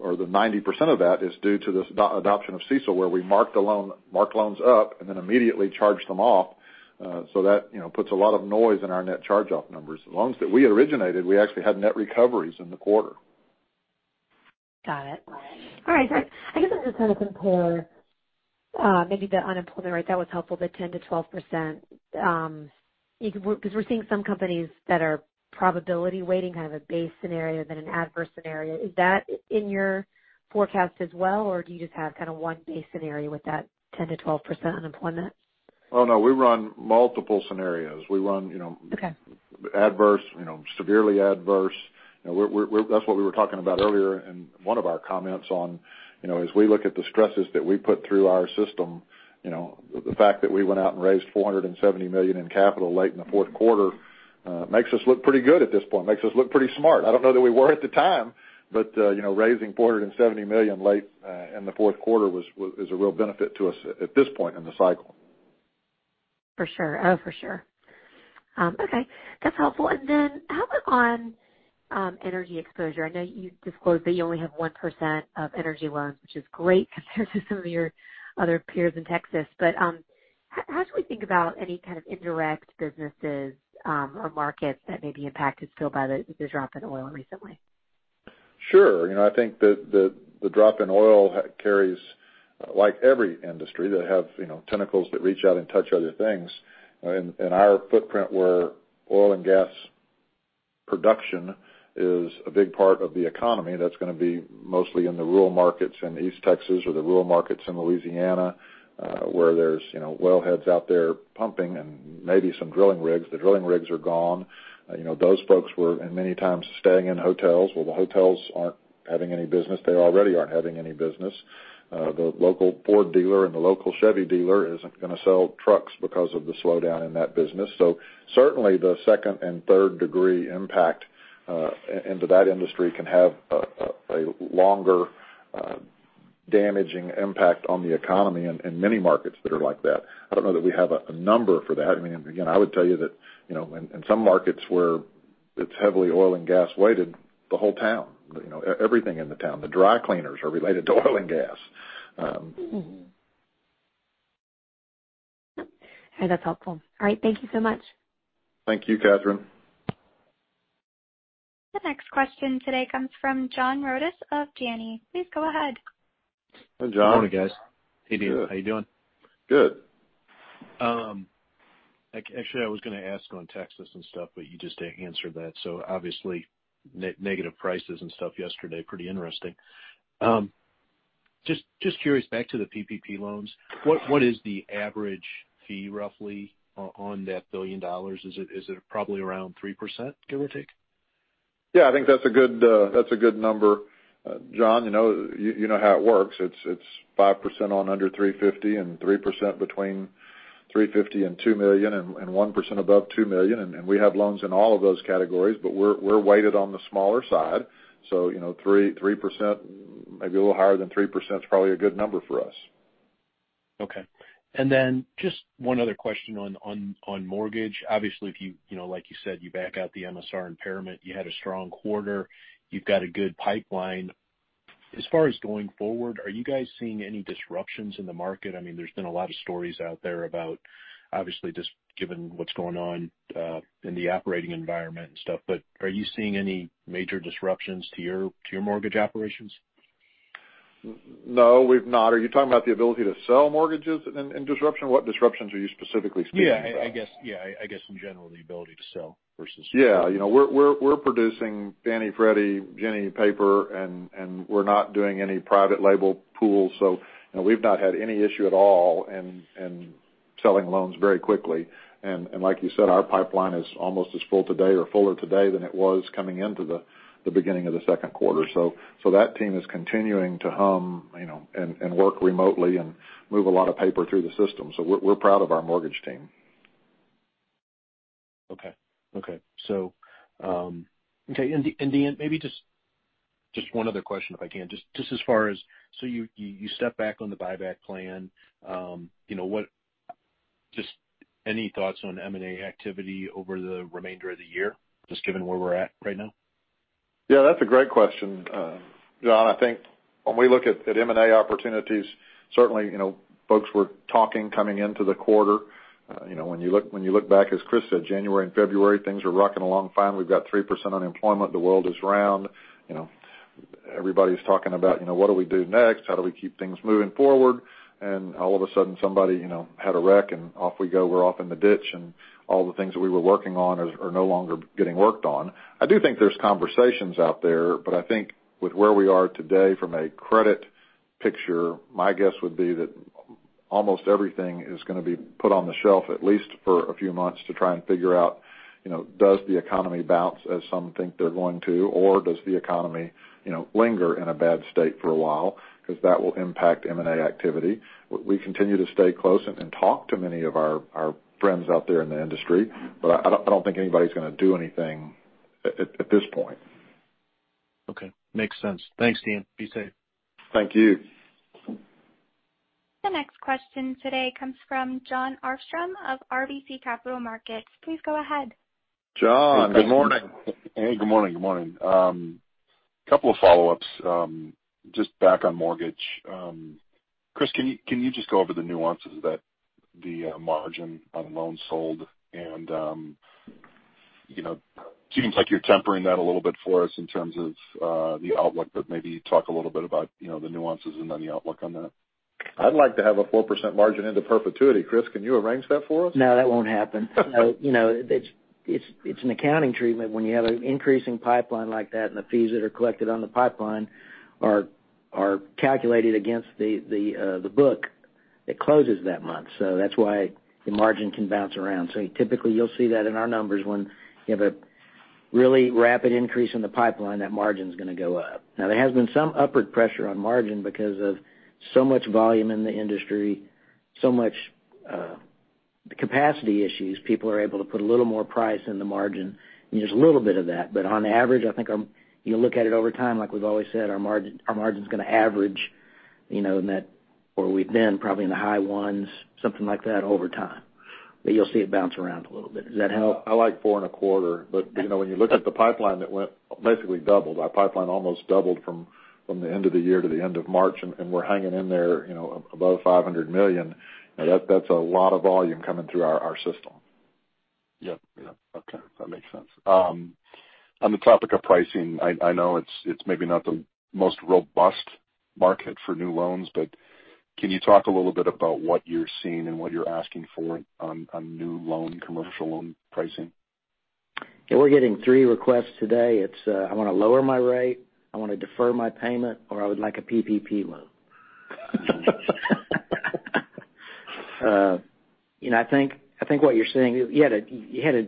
Speaker 3: or the 90% of that, is due to this adoption of CECL, where we mark loans up and then immediately charge them off. That puts a lot of noise in our net charge-off numbers. The loans that we originated, we actually had net recoveries in the quarter.
Speaker 8: Got it. All right. I guess I'll just kind of compare maybe the unemployment rate, that was helpful, the 10%-12%, because we're seeing some companies that are probability weighting kind of a base scenario, then an adverse scenario. Is that in your forecast as well, or do you just have kind of one base scenario with that 10%-12% unemployment?
Speaker 3: Oh, no. We run multiple scenarios.
Speaker 8: Okay.
Speaker 3: We run adverse, severely adverse. That's what we were talking about earlier in one of our comments on, as we look at the stresses that we put through our system, the fact that we went out and raised $470 million in capital late in the fourth quarter makes us look pretty good at this point. Makes us look pretty smart. I don't know that we were at the time, raising $470 million late in the fourth quarter is a real benefit to us at this point in the cycle.
Speaker 8: For sure. Okay. That's helpful. How about on energy exposure? I know you disclosed that you only have 1% of energy loans, which is great compared to some of your other peers in Texas. How should we think about any kind of indirect businesses or markets that may be impacted still by the drop in oil recently?
Speaker 3: Sure. I think the drop in oil carries, like every industry that have tentacles that reach out and touch other things. In our footprint where oil and gas production is a big part of the economy, that's going to be mostly in the rural markets in East Texas or the rural markets in Louisiana, where there's oil heads out there pumping and maybe some drilling rigs. The drilling rigs are gone. Those folks were many times staying in hotels. Well, the hotels aren't having any business. They already aren't having any business. The local Ford dealer and the local Chevy dealer isn't going to sell trucks because of the slowdown in that business. Certainly the second and third-degree impact into that industry can have a longer damaging impact on the economy in many markets that are like that. I don't know that we have a number for that. I would tell you that in some markets where it's heavily oil and gas weighted, the whole town, everything in the town, the dry cleaners are related to oil and gas.
Speaker 8: Okay. That's helpful. All right. Thank you so much.
Speaker 3: Thank you, Catherine.
Speaker 1: The next question today comes from John Rodis of Janney. Please go ahead.
Speaker 3: Hey, John.
Speaker 9: Good morning, guys. Hey, Dan. How you doing?
Speaker 3: Good.
Speaker 9: Actually, I was going to ask on Texas and stuff, but you just answered that. Obviously, negative prices and stuff yesterday, pretty interesting. Just curious, back to the PPP loans, what is the average fee roughly on that $1 billion? Is it probably around 3%, give or take?
Speaker 3: Yeah, I think that's a good number, John. You know how it works. It's 5% on under $350 and 3% between $350 and $2 million and 1% above $2 million. We have loans in all of those categories, but we're weighted on the smaller side. 3%, maybe a little higher than 3%, is probably a good number for us.
Speaker 9: Okay. Then just one other question on mortgage. Obviously, like you said, you back out the MSR impairment, you had a strong quarter, you've got a good pipeline. As far as going forward, are you guys seeing any disruptions in the market? There's been a lot of stories out there about, obviously, just given what's going on in the operating environment and stuff. Are you seeing any major disruptions to your mortgage operations?
Speaker 3: No, we've not. Are you talking about the ability to sell mortgages and disruption? What disruptions are you specifically speaking about?
Speaker 9: Yeah, I guess in general, the ability to sell versus?
Speaker 3: Yeah. We're producing Fannie, Freddie, Ginnie paper, and we're not doing any private label pools, so we've not had any issue at all in selling loans very quickly. Like you said, our pipeline is almost as full today or fuller today than it was coming into the beginning of the second quarter. That team is continuing to hum and work remotely and move a lot of paper through the system. We're proud of our mortgage team.
Speaker 9: Okay. Maybe just one other question, if I can. Just as far as, so you step back on the buyback plan, just any thoughts on M&A activity over the remainder of the year, just given where we're at right now?
Speaker 3: Yeah, that's a great question, John. I think when we look at M&A opportunities, certainly, folks were talking coming into the quarter. When you look back, as Chris said, January and February, things are rocking along fine. We've got 3% unemployment. The world is round. Everybody's talking about what do we do next? How do we keep things moving forward? All of a sudden somebody had a wreck and off we go. We're off in the ditch and all the things that we were working on are no longer getting worked on. I do think there's conversations out there, but I think with where we are today from a credit picture, my guess would be that almost everything is going to be put on the shelf at least for a few months to try and figure out, does the economy bounce as some think they're going to, or does the economy linger in a bad state for a while? Because that will impact M&A activity. We continue to stay close and talk to many of our friends out there in the industry, but I don't think anybody's going to do anything at this point.
Speaker 9: Okay. Makes sense. Thanks, Dan. Be safe.
Speaker 3: Thank you.
Speaker 1: The next question today comes from Jon Arfstrom of RBC Capital Markets. Please go ahead.
Speaker 3: Jon, good morning.
Speaker 10: Hey, good morning. Couple of follow-ups. Just back on mortgage. Chris, can you just go over the nuances that the margin on loans sold? It seems like you're tempering that a little bit for us in terms of the outlook, but maybe talk a little bit about the nuances and then the outlook on that?
Speaker 3: I'd like to have a 4% margin into perpetuity. Chris, can you arrange that for us?
Speaker 5: No, that won't happen. It's an accounting treatment when you have an increasing pipeline like that, and the fees that are collected on the pipeline are calculated against the book it closes that month. That's why the margin can bounce around. Typically you'll see that in our numbers when you have a really rapid increase in the pipeline, that margin's going to go up. Now, there has been some upward pressure on margin because of so much volume in the industry, so much capacity issues, people are able to put a little more price in the margin, and there's a little bit of that. On average, I think you look at it over time, like we've always said, our margin's going to average, where we've been probably in the high ones, something like that over time. You'll see it bounce around a little bit. Does that help?
Speaker 3: I like four and a quarter. When you look at the pipeline that basically doubled. Our pipeline almost doubled from the end of the year to the end of March, and we're hanging in there above $500 million. That's a lot of volume coming through our system.
Speaker 10: Yeah. Okay. That makes sense. On the topic of pricing, I know it's maybe not the most robust market for new loans, but can you talk a little bit about what you're seeing and what you're asking for on new loan, commercial loan pricing?
Speaker 5: Yeah, we're getting three requests today. It's, I want to lower my rate, I want to defer my payment, or I would like a PPP loan. I think what you're seeing, you had a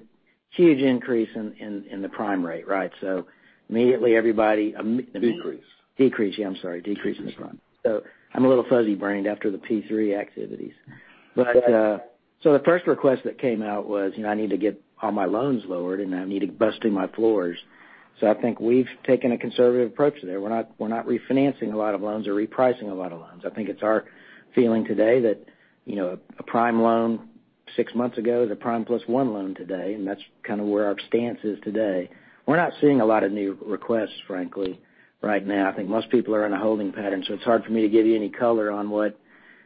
Speaker 5: huge increase in the prime rate, right?
Speaker 3: Decrease.
Speaker 5: Decrease. Yeah, I'm sorry. Decrease in the prime. I'm a little fuzzy brained after the P3 activities. The first request that came out was, I need to get all my loans lowered, and I need to bust through my floors. I think we've taken a conservative approach there. We're not refinancing a lot of loans or repricing a lot of loans. I think it's our feeling today that a prime loan six months ago is a prime plus one loan today, and that's kind of where our stance is today. We're not seeing a lot of new requests, frankly, right now. I think most people are in a holding pattern, so it's hard for me to give you any color on what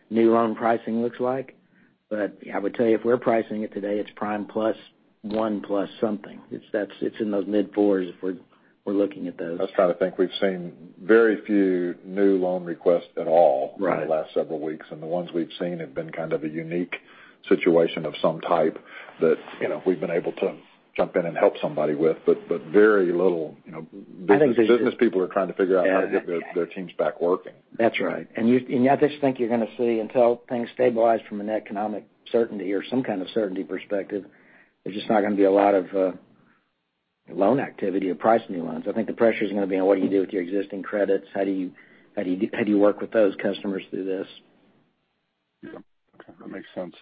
Speaker 5: new loan pricing looks like. I would tell you if we're pricing it today, it's prime plus one plus something. It's in those mid fours if we're looking at those.
Speaker 3: I was trying to think we've seen very few new loan requests at all.
Speaker 10: Right
Speaker 3: In the last several weeks, and the ones we've seen have been kind of a unique situation of some type that we've been able to jump in and help somebody with. Very little.
Speaker 5: I think.
Speaker 3: Business people are trying to figure out how to get their teams back working.
Speaker 5: That's right. I just think you're going to see until things stabilize from an economic certainty or some kind of certainty perspective, there's just not going to be a lot of loan activity or pricing new loans. I think the pressure's going to be on what you do with your existing credits. How do you work with those customers through this.
Speaker 10: Yeah. Okay. That makes sense.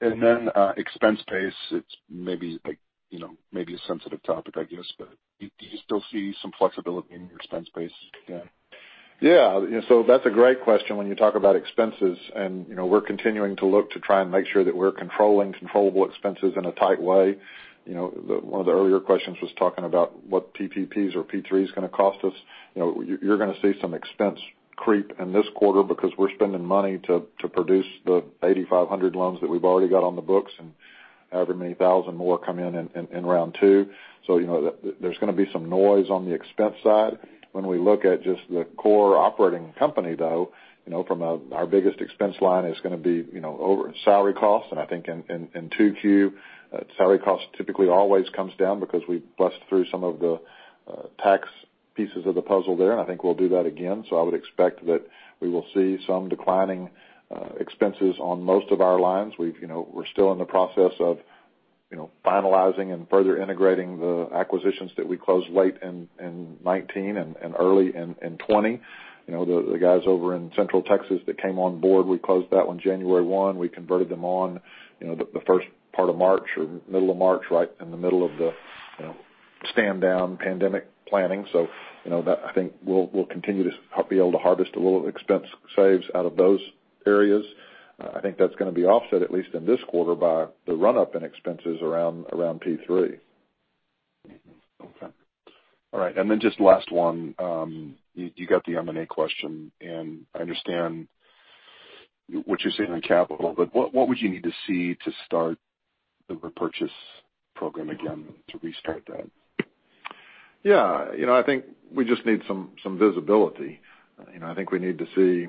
Speaker 10: Then, expense base, it's maybe a sensitive topic, I guess, but do you still see some flexibility in your expense base? Yeah.
Speaker 3: That's a great question when you talk about expenses. We're continuing to look to try and make sure that we're controlling controllable expenses in a tight way. One of the earlier questions was talking about what PPPs or P3 is going to cost us. You're going to see some expense creep in this quarter because we're spending money to produce the 8,500 loans that we've already got on the books and however many thousand more come in in round two. There's going to be some noise on the expense side. When we look at just the core operating company, though, from our biggest expense line is going to be over salary costs. I think in 2Q, salary cost typically always comes down because we bust through some of the tax pieces of the puzzle there. I think we'll do that again. I would expect that we will see some declining expenses on most of our lines. We're still in the process of finalizing and further integrating the acquisitions that we closed late in 2019 and early in 2020. The guys over in Central Texas that came on board, we closed that one January 1. We converted them on the first part of March or middle of March, right in the middle of the stand down pandemic planning. I think we'll continue to be able to harvest a little expense saves out of those areas. I think that's going to be offset, at least in this quarter, by the run-up in expenses around P3.
Speaker 10: Okay. All right, and then just last one. You got the M&A question, and I understand what you're saying on capital, but what would you need to see to start the repurchase program again to restart that?
Speaker 3: Yeah. I think we just need some visibility. I think we need to see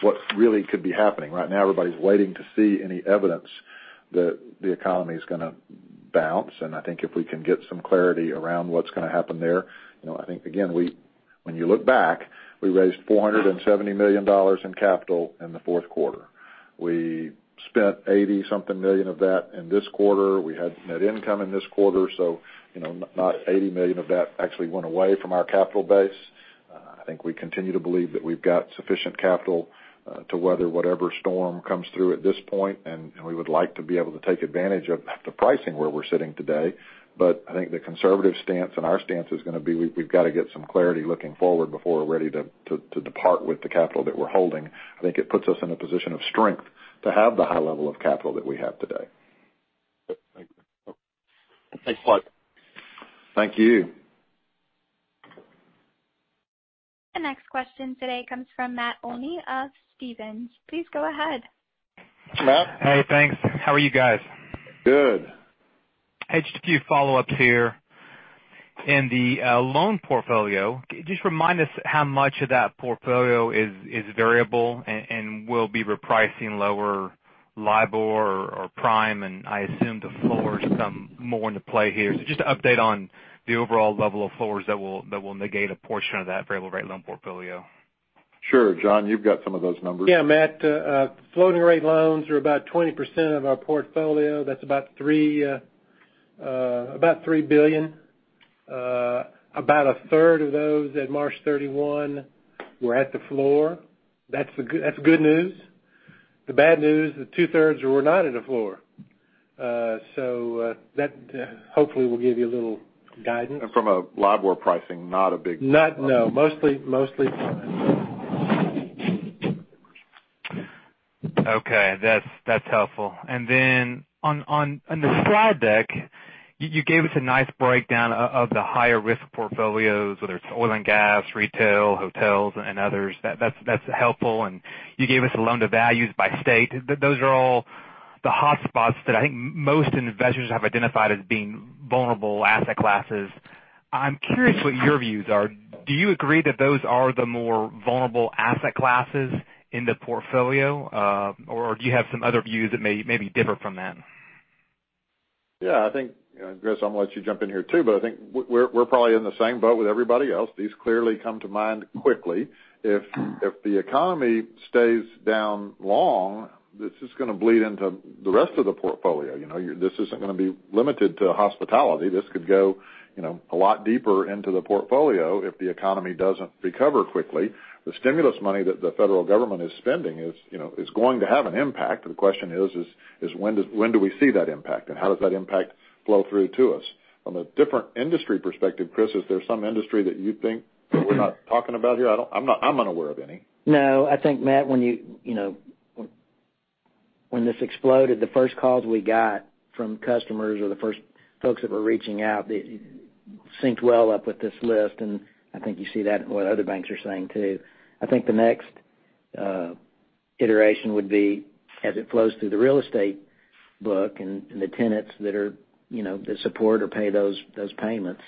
Speaker 3: what really could be happening. Right now, everybody's waiting to see any evidence that the economy's going to bounce, and I think if we can get some clarity around what's going to happen there. I think, again, when you look back, we raised $470 million in capital in the fourth quarter. We spent $80 something million of that in this quarter. We had net income in this quarter. Not $80 million of that actually went away from our capital base. I think we continue to believe that we've got sufficient capital to weather whatever storm comes through at this point, and we would like to be able to take advantage of the pricing where we're sitting today. I think the conservative stance and our stance is going to be, we've got to get some clarity looking forward before we're ready to depart with the capital that we're holding. I think it puts us in a position of strength to have the high level of capital that we have today.
Speaker 10: Thanks.
Speaker 3: Thank you.
Speaker 1: The next question today comes from Matt Olney of Stephens. Please go ahead.
Speaker 3: Matt.
Speaker 11: Hey, thanks. How are you guys?
Speaker 3: Good.
Speaker 11: Just a few follow-ups here. In the loan portfolio, could you just remind us how much of that portfolio is variable and will be repricing lower LIBOR or prime? I assume the floors come more into play here. Just an update on the overall level of floors that will negate a portion of that variable rate loan portfolio?
Speaker 3: Sure. John, you've got some of those numbers.
Speaker 4: Yeah, Matt. Floating rate loans are about 20% of our portfolio. That's about $3 billion. About a third of those at March 31 were at the floor. That's good news. The bad news, the 2/3 were not at a floor. That hopefully will give you a little guidance.
Speaker 3: from a LIBOR pricing, not a big.
Speaker 4: No, mostly prime.
Speaker 11: Okay. That's helpful. On the slide deck, you gave us a nice breakdown of the higher risk portfolios, whether it's oil and gas, retail, hotels, and others. That's helpful. You gave us a loan to values by state. Those are all the hotspots that I think most investors have identified as being vulnerable asset classes. I'm curious what your views are. Do you agree that those are the more vulnerable asset classes in the portfolio? Or do you have some other views that maybe differ from that?
Speaker 3: Yeah, I think, Chris, I'm going to let you jump in here too, but I think we're probably in the same boat with everybody else. These clearly come to mind quickly. If the economy stays down long, this is going to bleed into the rest of the portfolio. This isn't going to be limited to hospitality. This could go a lot deeper into the portfolio if the economy doesn't recover quickly. The stimulus money that the federal government is spending is going to have an impact. The question is, when do we see that impact, and how does that impact flow through to us? On a different industry perspective, Chris, is there some industry that you think that we're not talking about here? I'm unaware of any.
Speaker 5: No, I think, Matt, when this exploded, the first calls we got from customers or the first folks that were reaching out synced well up with this list, and I think you see that in what other banks are saying, too. I think the next iteration would be as it flows through the real estate book and the tenants that support or pay those payments.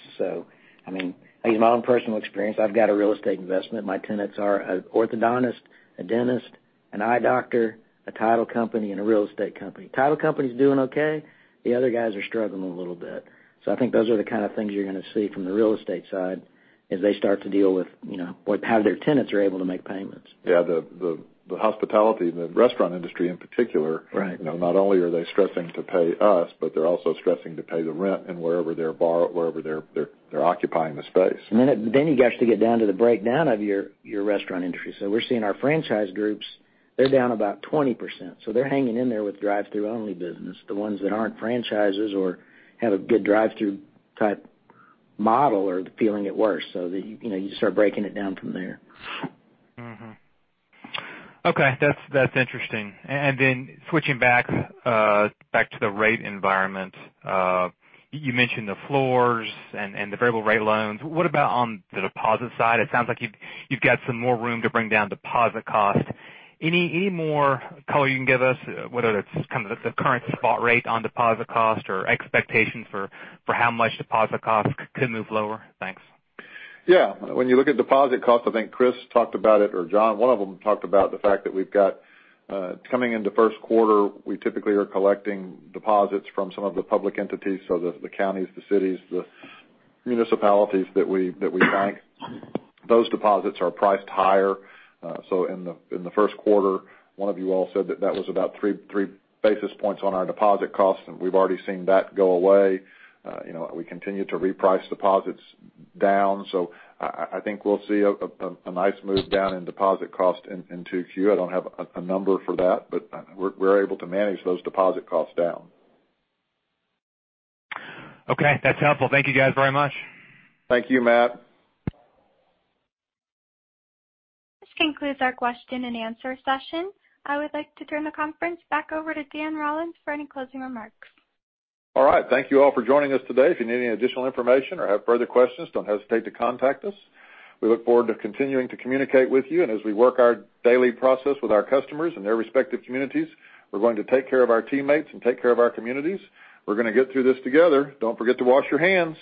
Speaker 5: I use my own personal experience. I've got a real estate investment. My tenants are an orthodontist, a dentist, an eye doctor, a title company, and a real estate company. Title company's doing okay. The other guys are struggling a little bit. I think those are the kind of things you're going to see from the real estate side as they start to deal with how their tenants are able to make payments.
Speaker 3: Yeah, the hospitality and the restaurant industry in particular.
Speaker 5: Right
Speaker 3: Not only are they stressing to pay us, but they're also stressing to pay the rent and wherever they're occupying the space.
Speaker 5: You've actually get down to the breakdown of your restaurant industry. We're seeing our franchise groups, they're down about 20%. They're hanging in there with drive-through only business. The ones that aren't franchises or have a good drive-through type model are feeling it worse so that you start breaking it down from there.
Speaker 11: Mm-hmm. Okay. That's interesting. Switching back to the rate environment. You mentioned the floors and the variable rate loans. What about on the deposit side? It sounds like you've got some more room to bring down deposit cost. Any more color you can give us, whether that's kind of the current spot rate on deposit cost or expectations for how much deposit cost could move lower? Thanks.
Speaker 3: When you look at deposit cost, I think Chris talked about it, or John, one of them talked about the fact that we've got, coming into first quarter, we typically are collecting deposits from some of the public entities, so the counties, the cities, the municipalities that we bank. Those deposits are priced higher. In the first quarter, one of you all said that that was about 3 basis points on our deposit cost, and we've already seen that go away. We continue to reprice deposits down. I think we'll see a nice move down in deposit cost in 2Q. I don't have a number for that, but we're able to manage those deposit costs down.
Speaker 11: Okay, that's helpful. Thank you guys very much.
Speaker 3: Thank you, Matt.
Speaker 1: This concludes our question and answer session. I would like to turn the conference back over to Dan Rollins for any closing remarks.
Speaker 3: All right. Thank you all for joining us today. If you need any additional information or have further questions, don't hesitate to contact us. We look forward to continuing to communicate with you, and as we work our daily process with our customers and their respective communities, we're going to take care of our teammates and take care of our communities. We're going to get through this together. Don't forget to wash your hands.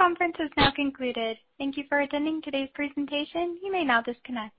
Speaker 1: The conference is now concluded. Thank you for attending today's presentation. You may now disconnect.